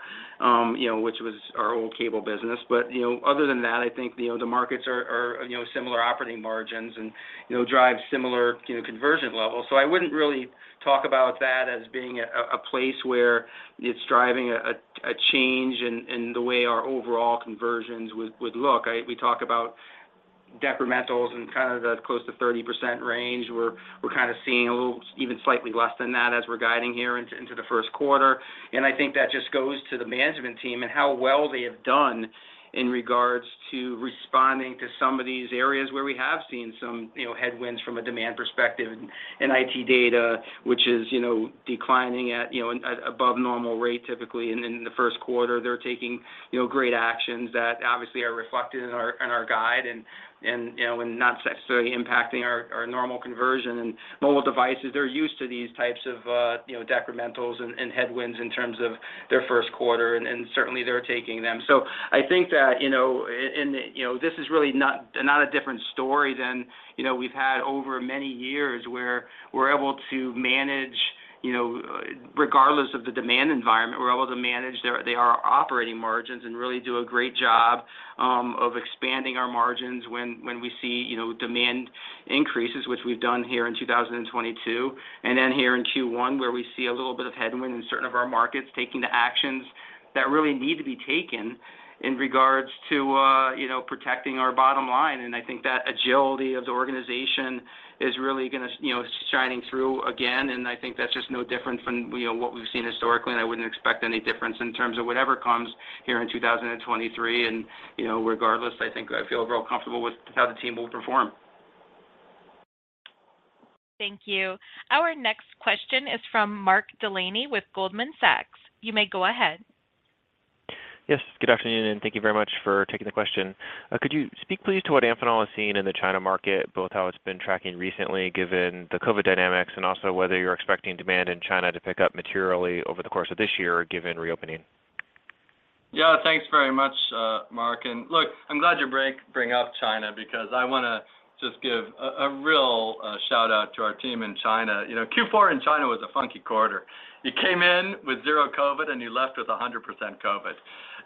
which was our old cable business. Other than that, I think, you know, the markets are, you know, similar operating margins and, you know, drive similar, you know, conversion levels. I wouldn't really talk about that as being a place where it's driving a change in the way our overall conversions would look. We talk about decrementals and kind of the close to 30% range. We're kind of seeing a little even slightly less than that as we're guiding here into the first quarter. I think that just goes to the management team and how well they have done in regards to responding to some of these areas where we have seen some, you know, headwinds from a demand perspective in IT data, which is, you know, declining at, you know, above normal rate typically in the first quarter. They're taking, you know, great actions that obviously are reflected in our in our guide and, you know, and not necessarily impacting our normal conversion. Mobile devices, they're used to these types of, you know, decrementals and headwinds in terms of their first quarter, and certainly they're taking them. I think that, you know, this is really not a different story than, you know, we've had over many years, where we're able to manage, you know, regardless of the demand environment, we're able to manage their operating margins and really do a great job of expanding our margins when we see, you know, demand increases, which we've done here in 2022. Then here in Q1, where we see a little bit of headwind in certain of our markets, taking the actions that really need to be taken in regards to, you know, protecting our bottom line. I think that agility of the organization is really gonna, you know, shining through again, and I think that's just no different from, you know, what we've seen historically, and I wouldn't expect any difference in terms of whatever comes here in 2023. You know, regardless, I think I feel real comfortable with how the team will perform. Thank you. Our next question is from Mark Delaney with Goldman Sachs. You may go ahead. Yes. Good afternoon, and thank you very much for taking the question. Could you speak please to what Amphenol is seeing in the China market, both how it's been tracking recently given the COVID dynamics and also whether you're expecting demand in China to pick up materially over the course of this year given reopening? Yeah. Thanks very much, Mark. Look, I'm glad you bring up China because I wanna just give a real shout-out to our team in China. You know, Q4 in China was a funky quarter. You came in with zero-COVID, and you left with 100% COVID.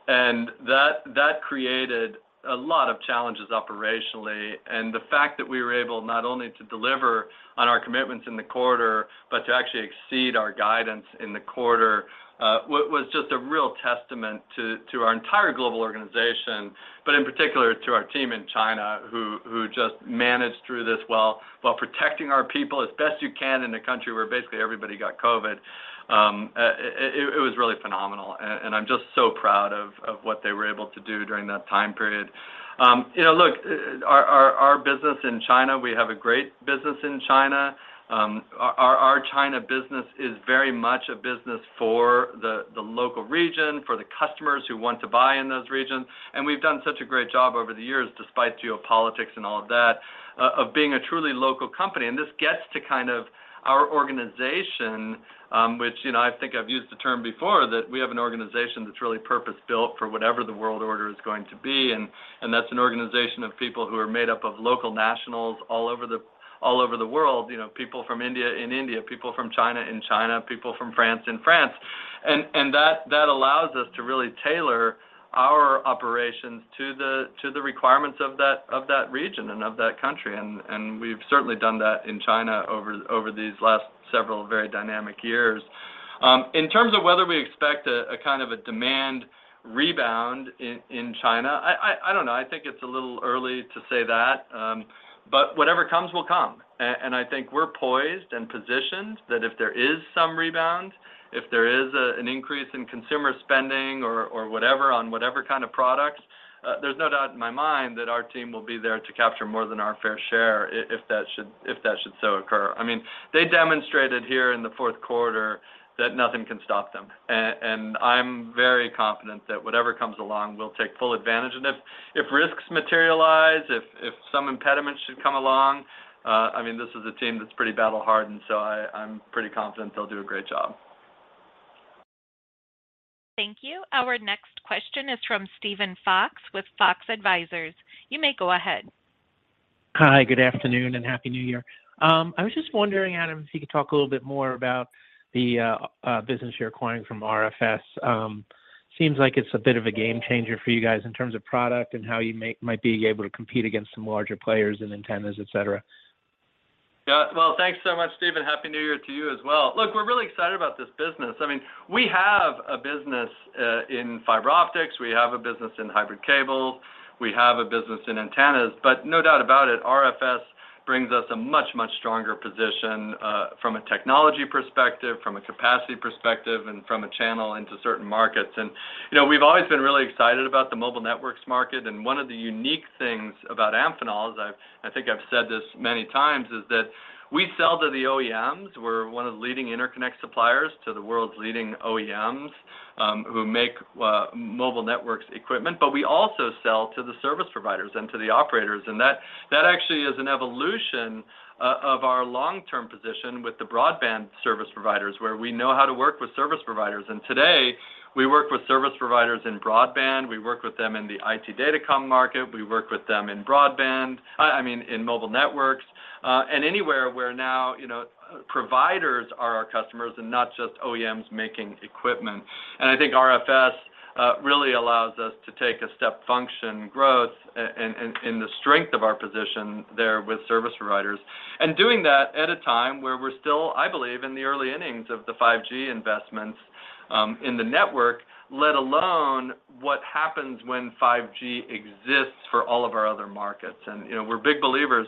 That created a lot of challenges operationally. The fact that we were able not only to deliver on our commitments in the quarter, but to actually exceed our guidance in the quarter, was just a real testament to our entire global organization, but in particular to our team in China, who just managed through this well while protecting our people as best you can in a country where basically everybody got COVID. It was really phenomenal. I'm just so proud of what they were able to do during that time period. You know, look, our business in China, we have a great business in China. Our China business is very much a business for the local region, for the customers who want to buy in those regions. We've done such a great job over the years, despite geopolitics and all of that, of being a truly local company. This gets to kind of our organization, which, you know, I think I've used the term before, that we have an organization that's really purpose-built for whatever the world order is going to be, and that's an organization of people who are made up of local nationals all over the world. You know, people from India in India, people from China in China, people from France in France. And that allows us to really tailor our operations to the requirements of that region and of that country. And we've certainly done that in China over these last several very dynamic years. In terms of whether we expect a kind of a demand rebound in China, I don't know. I think it's a little early to say that. Whatever comes will come. I think we're poised and positioned that if there is some rebound, if there is an increase in consumer spending or whatever on whatever kind of products... There's no doubt in my mind that our team will be there to capture more than our fair share if that should so occur. I mean, they demonstrated here in the fourth quarter that nothing can stop them. I'm very confident that whatever comes along, we'll take full advantage. If, if risks materialize, if some impediment should come along, I mean, this is a team that's pretty battle-hardened, so I'm pretty confident they'll do a great job. Thank you. Our next question is from Steven Fox with Fox Advisors. You may go ahead. Hi, good afternoon, and happy New Year. I was just wondering, Adam, if you could talk a little bit more about the business you're acquiring from RFS. Seems like it's a bit of a game changer for you guys in terms of product and how you might be able to compete against some larger players in antennas, et cetera. Yeah. Well, thanks so much, Steven. Happy New Year to you as well. Look, we're really excited about this business. I mean, we have a business in fiber optics, we have a business in hybrid cable, we have a business in antennas, but no doubt about it, RFS brings us a much stronger position from a technology perspective, from a capacity perspective, and from a channel into certain markets. You know, we've always been really excited about the mobile networks market, and one of the unique things about Amphenol, as I think I've said this many times, is that we sell to the OEMs. We're one of the leading interconnect suppliers to the world's leading OEMs, who make mobile networks equipment. We also sell to the service providers and to the operators, that actually is an evolution of our long-term position with the broadband service providers, where we know how to work with service providers. Today, we work with service providers in broadband, we work with them in the IT data comm market, we work with them in broadband. I mean, in mobile networks, and anywhere where now, you know, providers are our customers and not just OEMs making equipment. I think RFS really allows us to take a step function growth in the strength of our position there with service providers. Doing that at a time where we're still, I believe, in the early innings of the 5G investments, in the network, let alone what happens when 5G exists for all of our other markets. You know, we're big believers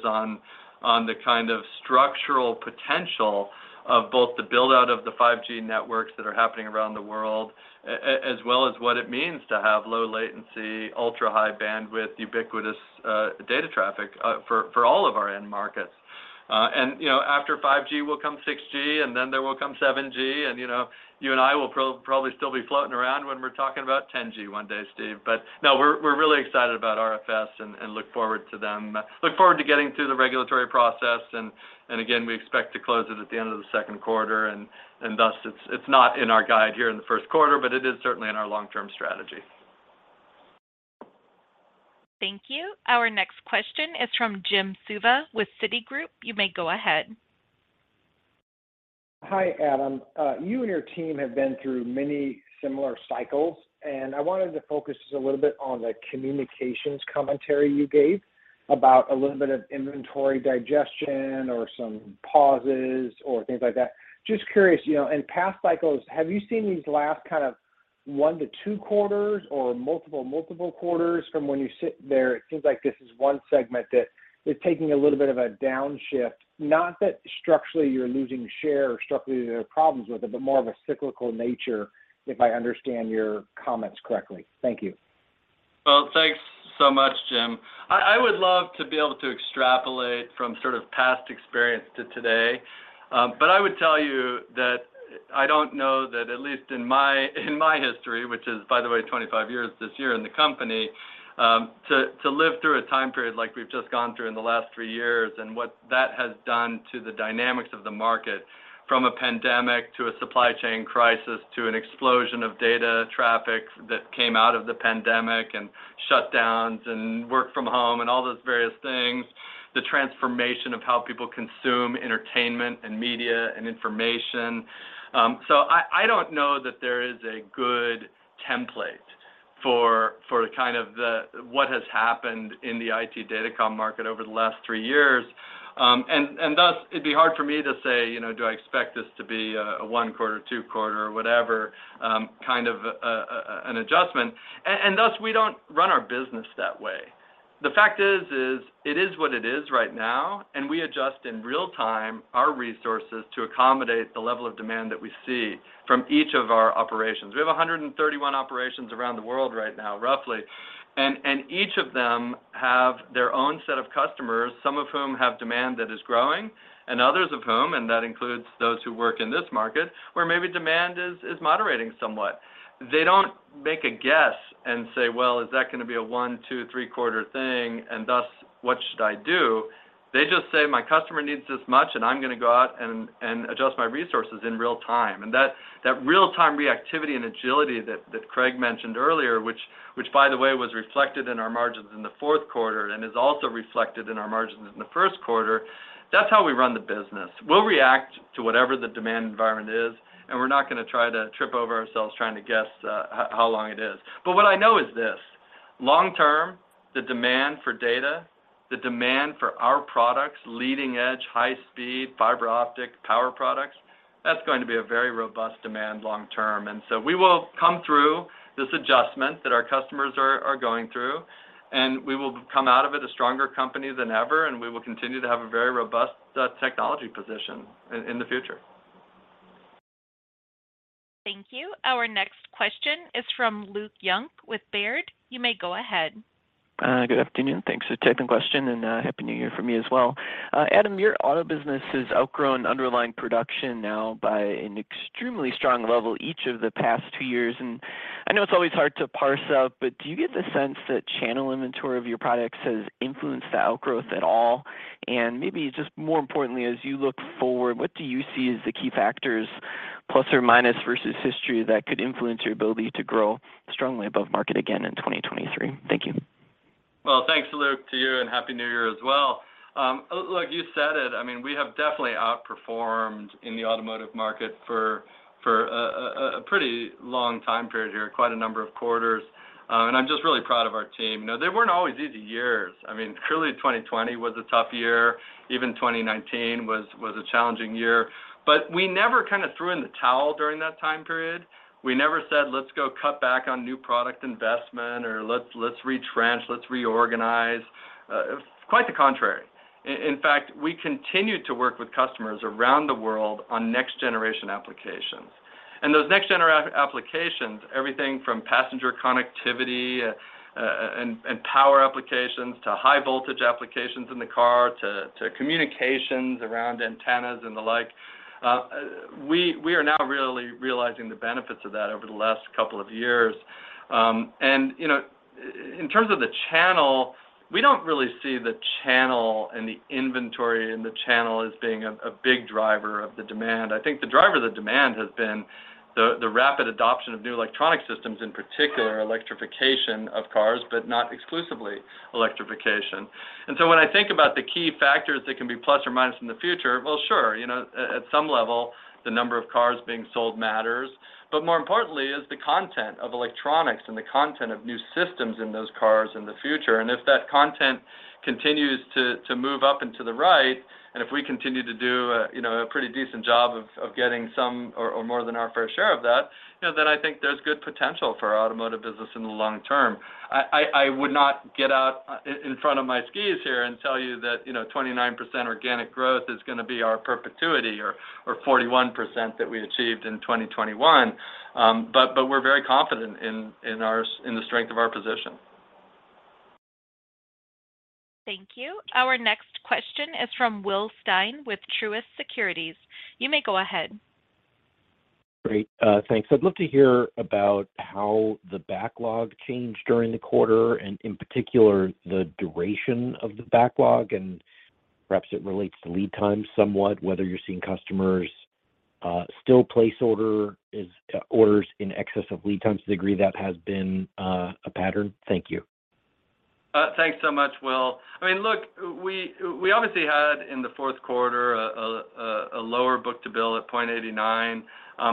on the kind of structural potential of both the build-out of the 5G networks that are happening around the world, as well as what it means to have low latency, ultra-high bandwidth, ubiquitous, data traffic, for all of our end markets. You know, after 5G will come 6G and then there will come 7G and, you know, you and I will probably still be floating around when we're talking about 10G one day, Steve. No, we're really excited about RFS and look forward to them. Look forward to getting through the regulatory process and again, we expect to close it at the end of the second quarter, and thus it's not in our guide here in the first quarter, but it is certainly in our long-term strategy. Thank you. Our next question is from Jim Suva with Citigroup. You may go ahead. Hi, Adam. You and your team have been through many similar cycles, and I wanted to focus just a little bit on the communications commentary you gave about a little bit of inventory digestion or some pauses or things like that. Just curious, you know, in past cycles, have you seen these last kind of one to two quarters or multiple quarters from when you sit there, it seems like this is one segment that is taking a little bit of a downshift? Not that structurally you're losing share or structurally there are problems with it, but more of a cyclical nature, if I understand your comments correctly. Thank you. Well, thanks so much, Jim. I would love to be able to extrapolate from sort of past experience to today. I would tell you that I don't know that at least in my history, which is by the way, 25 years this year in the company, to live through a time period like we've just gone through in the last three years and what that has done to the dynamics of the market, from a pandemic to a supply chain crisis to an explosion of data traffic that came out of the pandemic and shutdowns and work from home and all those various things, the transformation of how people consume entertainment and media and information. I don't know that there is a good template for what has happened in the IT data comm market over the last three years. Thus it'd be hard for me to say, you know, do I expect this to be a one-quarter, two-quarter, whatever, kind of a, an adjustment. Thus we don't run our business that way. The fact is it is what it is right now, and we adjust in real time our resources to accommodate the level of demand that we see from each of our operations. We have 131 operations around the world right now, roughly, and each of them have their own set of customers, some of whom have demand that is growing and others of whom, and that includes those who work in this market, where maybe demand is moderating somewhat. They don't make a guess and say, "Well, is that going to be a one, two, three-quarter thing? Thus, what should I do?" They just say, "My customer needs this much and I'm going to go out and adjust my resources in real time." That real-time reactivity and agility that Craig mentioned earlier, which by the way, was reflected in our margins in the fourth quarter and is also reflected in our margins in the first quarter, that's how we run the business. We'll react to whatever the demand environment is, and we're not gonna try to trip over ourselves trying to guess how long it is. But what I know is this: long term, the demand for data, the demand for our products, leading-edge, high-speed fiber optic power products, that's going to be a very robust demand long term. We will come through this adjustment that our customers are going through, and we will come out of it a stronger company than ever, and we will continue to have a very robust technology position in the future. Thank you. Our next question is from Luke Junk with Baird. You may go ahead. Good afternoon. Thanks for taking the question, and happy New Year from me as well. Adam, your auto business has outgrown underlying production now by an extremely strong level each of the past two years. I know it's always hard to parse out, but do you get the sense that channel inventory of your products has influenced the outgrowth at all? Maybe just more importantly as you look forward, what do you see as the key factors, plus or minus versus history, that could influence your ability to grow strongly above market again in 2023? Thank you. Well, thanks, Luke, to you, and happy New Year as well. Look, you said it. I mean, we have definitely outperformed in the automotive market for a pretty long time period here, quite a number of quarters. I'm just really proud of our team. You know, they weren't always easy years. I mean, clearly 2020 was a tough year. Even 2019 was a challenging year. We never kind of threw in the towel during that time period. We never said, "Let's go cut back on new product investment," or, "Let's retrench, let's reorganize." Quite the contrary. In fact, we continued to work with customers around the world on next generation applications. Those next genera-applications, everything from passenger connectivity and power applications to high voltage applications in the car to communications around antennas and the like, we are now really realizing the benefits of that over the last couple of years. You know, in terms of the channel, we don't really see the channel and the inventory in the channel as being a big driver of the demand. I think the driver of the demand has been the rapid adoption of new electronic systems, in particular electrification of cars, but not exclusively electrification. When I think about the key factors that can be plus or minus in the future, well, sure, you know, at some level the number of cars being sold matters, but more importantly is the content of electronics and the content of new systems in those cars in the future. If that content continues to move up and to the right and if we continue to do a, you know, a pretty decent job of getting some or more than our fair share of that, you know, then I think there's good potential for our automotive business in the long term. I would not get out in front of my skis here and tell you that, you know, 29% organic growth is gonna be our perpetuity or 41% that we achieved in 2021, but we're very confident in the strength of our position. Thank you. Our next question is from William Stein with Truist Securities. You may go ahead. Great. Thanks. I'd love to hear about how the backlog changed during the quarter, and in particular the duration of the backlog, and perhaps it relates to lead time somewhat, whether you're seeing customers, still place orders in excess of lead times, the degree that has been, a pattern. Thank you. Thanks so much, Will. I mean, look, we obviously had in the fourth quarter a lower book-to-bill at 0.89,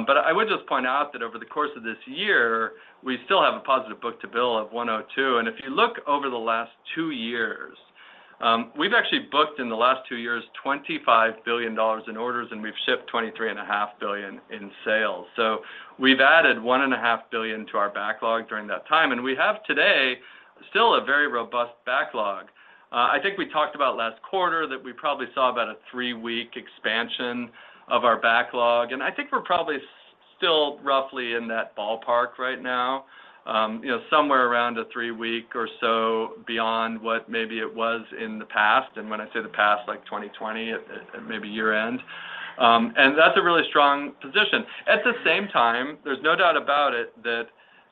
but I would just point out that over the course of this year we still have a positive book-to-bill of 1.02. If you look over the last two years, we've actually booked in the last two years $25 billion in orders, and we've shipped $23.5 billion in sales. We've added one and a half billion to our backlog during that time, and we have today still a very robust backlog. I think we talked about last quarter that we probably saw about a three-week expansion of our backlog, and I think we're probably still roughly in that ballpark right now, you know, somewhere around a three week or so beyond what maybe it was in the past. When I say the past, like 2020, at maybe year-end. That's a really strong position. At the same time, there's no doubt about it that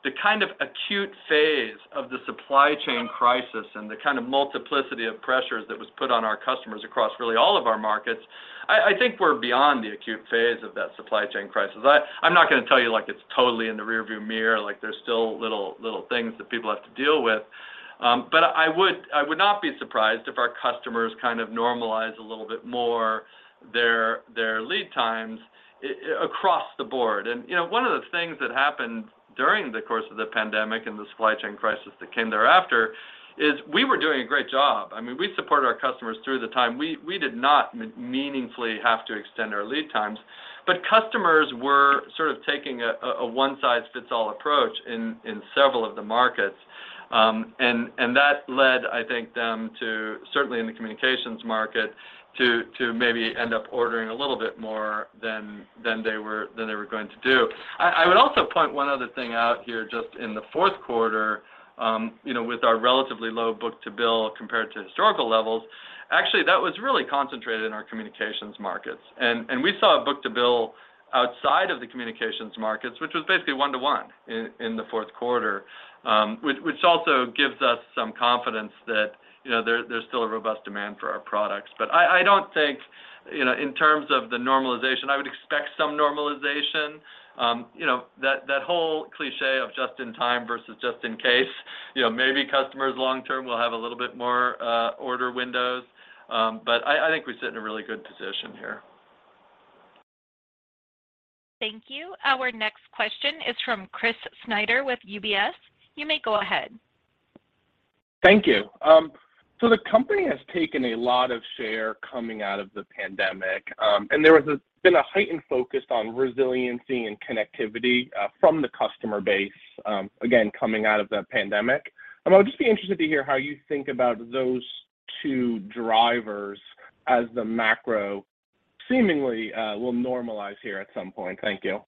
the kind of acute phase of the supply chain crisis and the kind of multiplicity of pressures that was put on our customers across really all of our markets, I think we're beyond the acute phase of that supply chain crisis. I'm not gonna tell you, like, it's totally in the rear view mirror. Like, there's still little things that people have to deal with. but I would not be surprised if our customers kind of normalize a little bit more their lead times across the board. you know, one of the things that happened during the course of the pandemic and the supply chain crisis that came thereafter is we were doing a great job. I mean, we supported our customers through the time. We did not meaningfully have to extend our lead times. customers were sort of taking a one-size-fits-all approach in several of the markets. and that led, I think, them to, certainly in the communications market, to maybe end up ordering a little bit more than they were going to do. I would also point one other thing out here just in the fourth quarter, you know, with our relatively low book-to-bill compared to historical levels. Actually, that was really concentrated in our communications markets. We saw a book-to-bill outside of the communications markets, which was basically 1:1 in the fourth quarter. Which also gives us some confidence that, you know, there's still a robust demand for our products. I don't think, you know, in terms of the normalization, I would expect some normalization. You know, that whole cliché of just in time versus just in case. You know, maybe customers long term will have a little bit more order windows. I think we sit in a really good position here. Thank you. Our next question is from Chris Snyder with UBS. You may go ahead. Thank you. The company has taken a lot of share coming out of the pandemic, and there was a, been a heightened focus on resiliency and connectivity from the customer base, again, coming out of the pandemic. I would just be interested to hear how you think about those- -to drivers as the macro seemingly, will normalize here at some point. Thank you.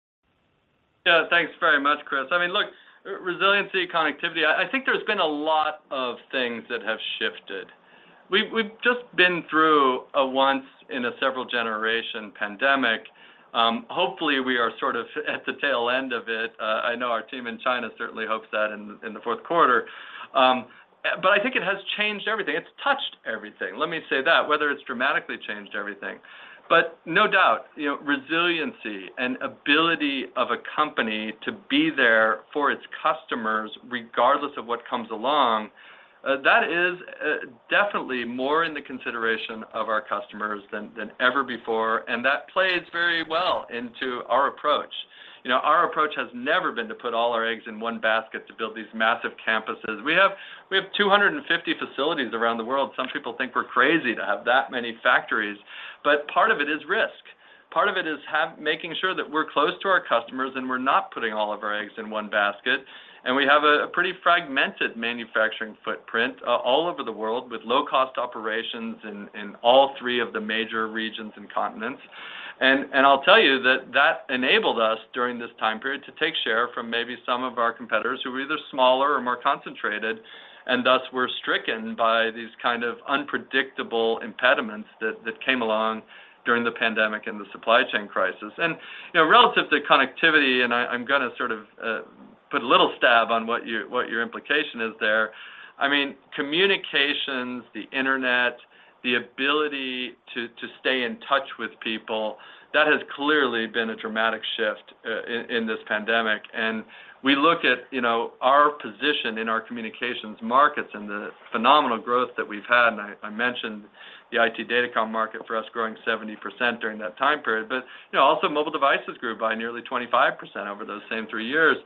Yeah, thanks very much, Chris. I mean, look, resiliency, connectivity, I think there's been a lot of things that have shifted. We've just been through a once in a several generation pandemic. Hopefully we are sort of at the tail end of it. I know our team in China certainly hopes that in the fourth quarter. I think it has changed everything. It's touched everything, let me say that, whether it's dramatically changed everything. No doubt, you know, resiliency and ability of a company to be there for its customers regardless of what comes along, that is definitely more in the consideration of our customers than ever before, and that plays very well into our approach. You know, our approach has never been to put all our eggs in one basket to build these massive campuses. We have 250 facilities around the world. Some people think we're crazy to have that many factories, but part of it is risk. Part of it is making sure that we're close to our customers, and we're not putting all of our eggs in one basket, and we have a pretty fragmented manufacturing footprint all over the world with low-cost operations in all three of the major regions and continents. I'll tell you that enabled us during this time period to take share from maybe some of our competitors who are either smaller or more concentrated, and thus were stricken by these kind of unpredictable impediments that came along during the pandemic and the supply chain crisis. You know, relative to connectivity, I'm gonna sort of put a little stab on what your implication is there. I mean, communications, the internet, the ability to stay in touch with people, that has clearly been a dramatic shift in this pandemic. We look at, you know, our position in our communications markets and the phenomenal growth that we've had, I mentioned the IT data comm market for us growing 70% during that time period. You know, also mobile devices grew by nearly 25% over those same three years.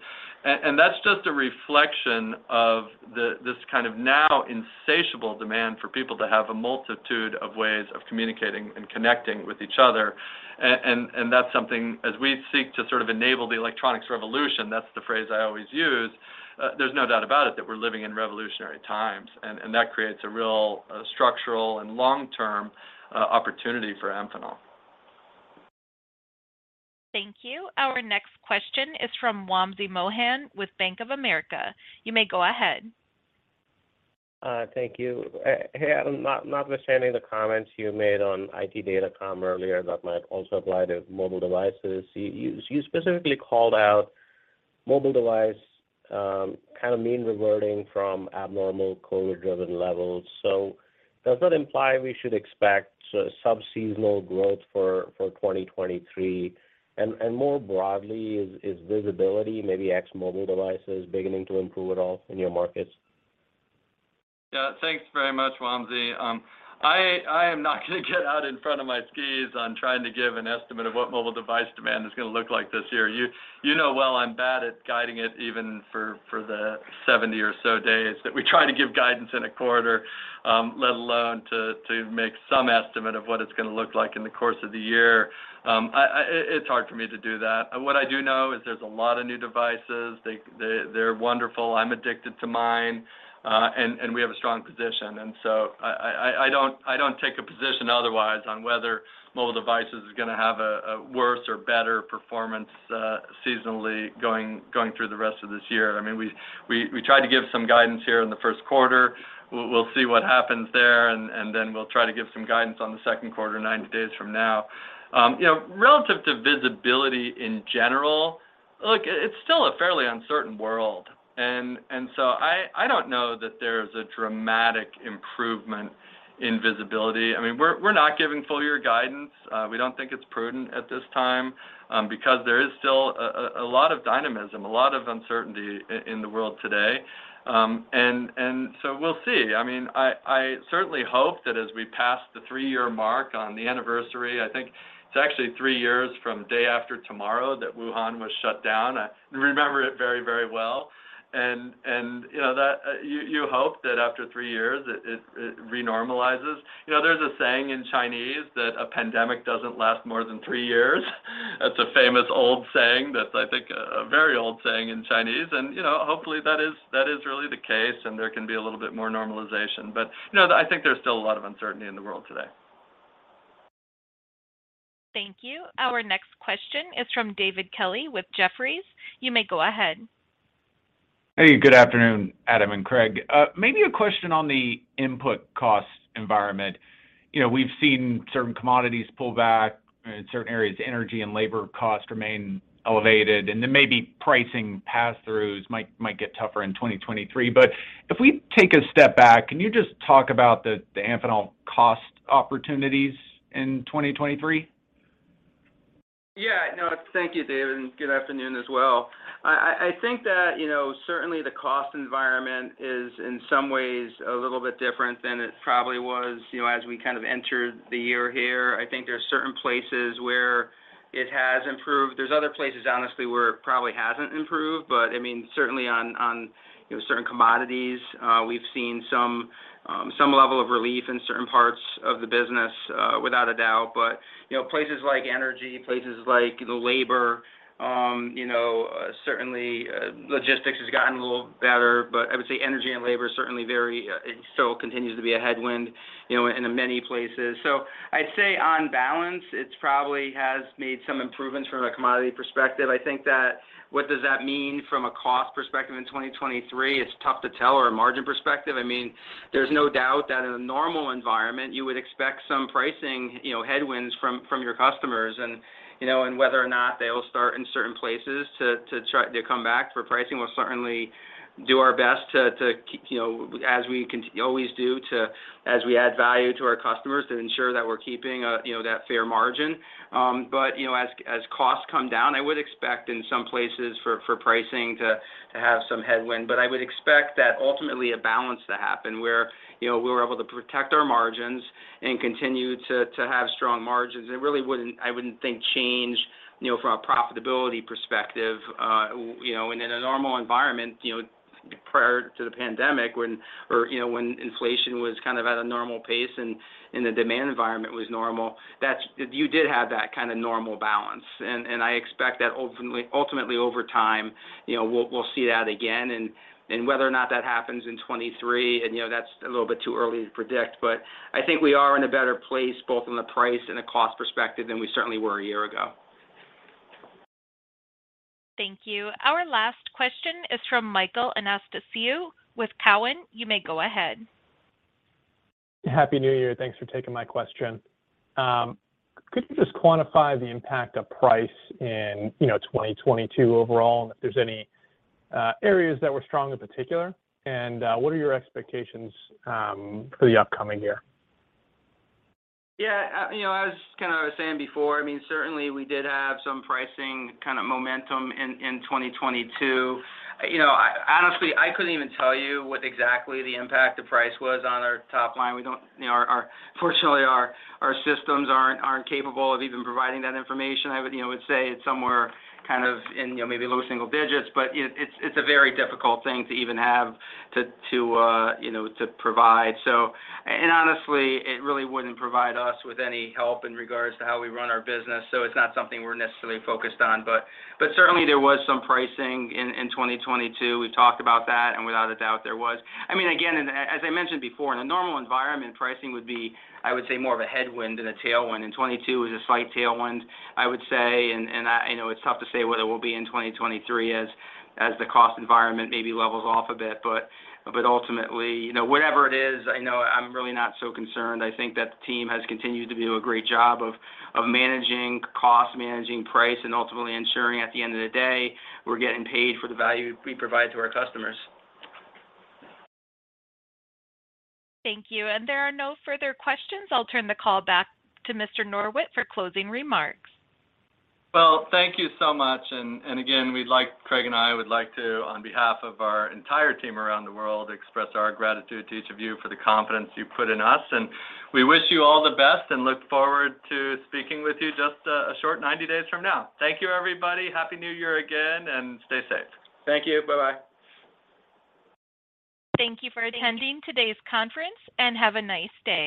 That's just a reflection of this kind of now insatiable demand for people to have a multitude of ways of communicating and connecting with each other. That's something as we seek to sort of enable the electronics revolution, that's the phrase I always use, there's no doubt about it that we're living in revolutionary times. That creates a real, structural and long-term, opportunity for Amphenol. Thank you. Our next question is from Wamsi Mohan with Bank of America. You may go ahead. Thank you. Hey, Adam, notwithstanding the comments you made on IT data comm earlier that might also apply to mobile devices, you specifically called out mobile device kind of mean reverting from abnormal COVID-driven levels. Does that imply we should expect subseasonal growth for 2023? More broadly, is visibility, maybe ex mobile devices, beginning to improve at all in your markets? Yeah, thanks very much, Wamsi. I am not gonna get out in front of my skis on trying to give an estimate of what mobile device demand is gonna look like this year. You know well I'm bad at guiding it even for the 70 or so days that we try to give guidance in a quarter, let alone to make some estimate of what it's gonna look like in the course of the year. It's hard for me to do that. What I do know is there's a lot of new devices. They're wonderful. I'm addicted to mine. We have a strong position. I don't take a position otherwise on whether mobile devices is gonna have a worse or better performance seasonally going through the rest of this year. I mean, we tried to give some guidance here in the first quarter. We'll see what happens there, and then we'll try to give some guidance on the second quarter 90 days from now. You know, relative to visibility in general, look, it's still a fairly uncertain world. I don't know that there's a dramatic improvement in visibility. I mean, we're not giving full year guidance. We don't think it's prudent at this time because there is still a lot of dynamism, a lot of uncertainty in the world today. We'll see. I mean, I certainly hope that as we pass the three-year mark on the anniversary, I think it's actually three years from day after tomorrow that Wuhan was shut down. I remember it very, very well. And, you know, that you hope that after three years it re-normalizes. You know, there's a saying in Chinese that a pandemic doesn't last more than three years. That's a famous old saying that's, I think, a very old saying in Chinese. You know, hopefully that is really the case, and there can be a little bit more normalization. No, I think there's still a lot of uncertainty in the world today. Thank you. Our next question is from David Kelley with Jefferies. You may go ahead. Hey, good afternoon, Adam and Craig. Maybe a question on the input cost environment. You know, we've seen certain commodities pull back in certain areas. Energy and labor costs remain elevated, and then maybe pricing pass-throughs might get tougher in 2023. If we take a step back, can you just talk about the Amphenol cost opportunities in 2023? Yeah. No, thank you, David, and good afternoon as well. I think that, you know, certainly the cost environment is in some ways a little bit different than it probably was, you know, as we kind of entered the year here. I think there are certain places where it has improved There's other places, honestly, where it probably hasn't improved. I mean, certainly on, you know, certain commodities, we've seen some level of relief in certain parts of the business, without a doubt. You know, places like energy, places like the labor, you know, certainly, logistics has gotten a little better, but I would say energy and labor is certainly very. It still continues to be a headwind, you know, in many places. I'd say on balance, it's probably has made some improvements from a commodity perspective. I think that what does that mean from a cost perspective in 2023? It's tough to tell. Or a margin perspective. I mean, there's no doubt that in a normal environment you would expect some pricing, you know, headwinds from your customers and, you know, and whether or not they'll start in certain places to try to come back for pricing. We'll certainly do our best to keep you know, as we always do to, as we add value to our customers to ensure that we're keeping, you know, that fair margin. You know, as costs come down, I would expect in some places for pricing to have some headwind. I would expect that ultimately a balance to happen where, you know, we're able to protect our margins and continue to have strong margins. It really wouldn't, I wouldn't think change, you know, from a profitability perspective. you know, in a normal environment, you know, prior to the pandemic when... or, you know, when inflation was kind of at a normal pace and the demand environment was normal, you did have that kind of normal balance. I expect that ultimately over time, you know, we'll see that again. Whether or not that happens in 2023 and, you know, that's a little bit too early to predict, but I think we are in a better place both on the price and a cost perspective than we certainly were a year ago. Thank you. Our last question is from Michael Anastasiou with Cowen. You may go ahead. Happy New Year. Thanks for taking my question. Could you just quantify the impact of price in, you know, 2022 overall and if there's any areas that were strong in particular? What are your expectations for the upcoming year? Yeah, you know, as kinda I was saying before, I mean, certainly we did have some pricing kind of momentum in 2022. You know, honestly, I couldn't even tell you what exactly the impact of price was on our top line. We don't, you know, our, fortunately, our systems aren't capable of even providing that information. I would, you know, say it's somewhere kind of in, you know, maybe low single digits, but it's, it's a very difficult thing to even have to, you know, to provide. Honestly, it really wouldn't provide us with any help in regards to how we run our business. It's not something we're necessarily focused on. But certainly there was some pricing in 2022. We've talked about that, and without a doubt, there was. I mean, again, as I mentioned before, in a normal environment, pricing would be, I would say, more of a headwind than a tailwind. 2022 was a slight tailwind, I would say. I, you know, it's tough to say what it will be in 2023 as the cost environment maybe levels off a bit. Ultimately, you know, whatever it is, I know I'm really not so concerned. I think that the team has continued to do a great job of managing cost, managing price, and ultimately ensuring at the end of the day, we're getting paid for the value we provide to our customers. Thank you. There are no further questions. I'll turn the call back to Mr. Norwitt for closing remarks. Well, thank you so much. Again, Craig, and I would like to, on behalf of our entire team around the world, express our gratitude to each of you for the confidence you've put in us. We wish you all the best and look forward to speaking with you just a short 90 days from now. Thank you, everybody. Happy New Year again, and stay safe. Thank you. Bye-bye. Thank you for attending today's conference, and have a nice day.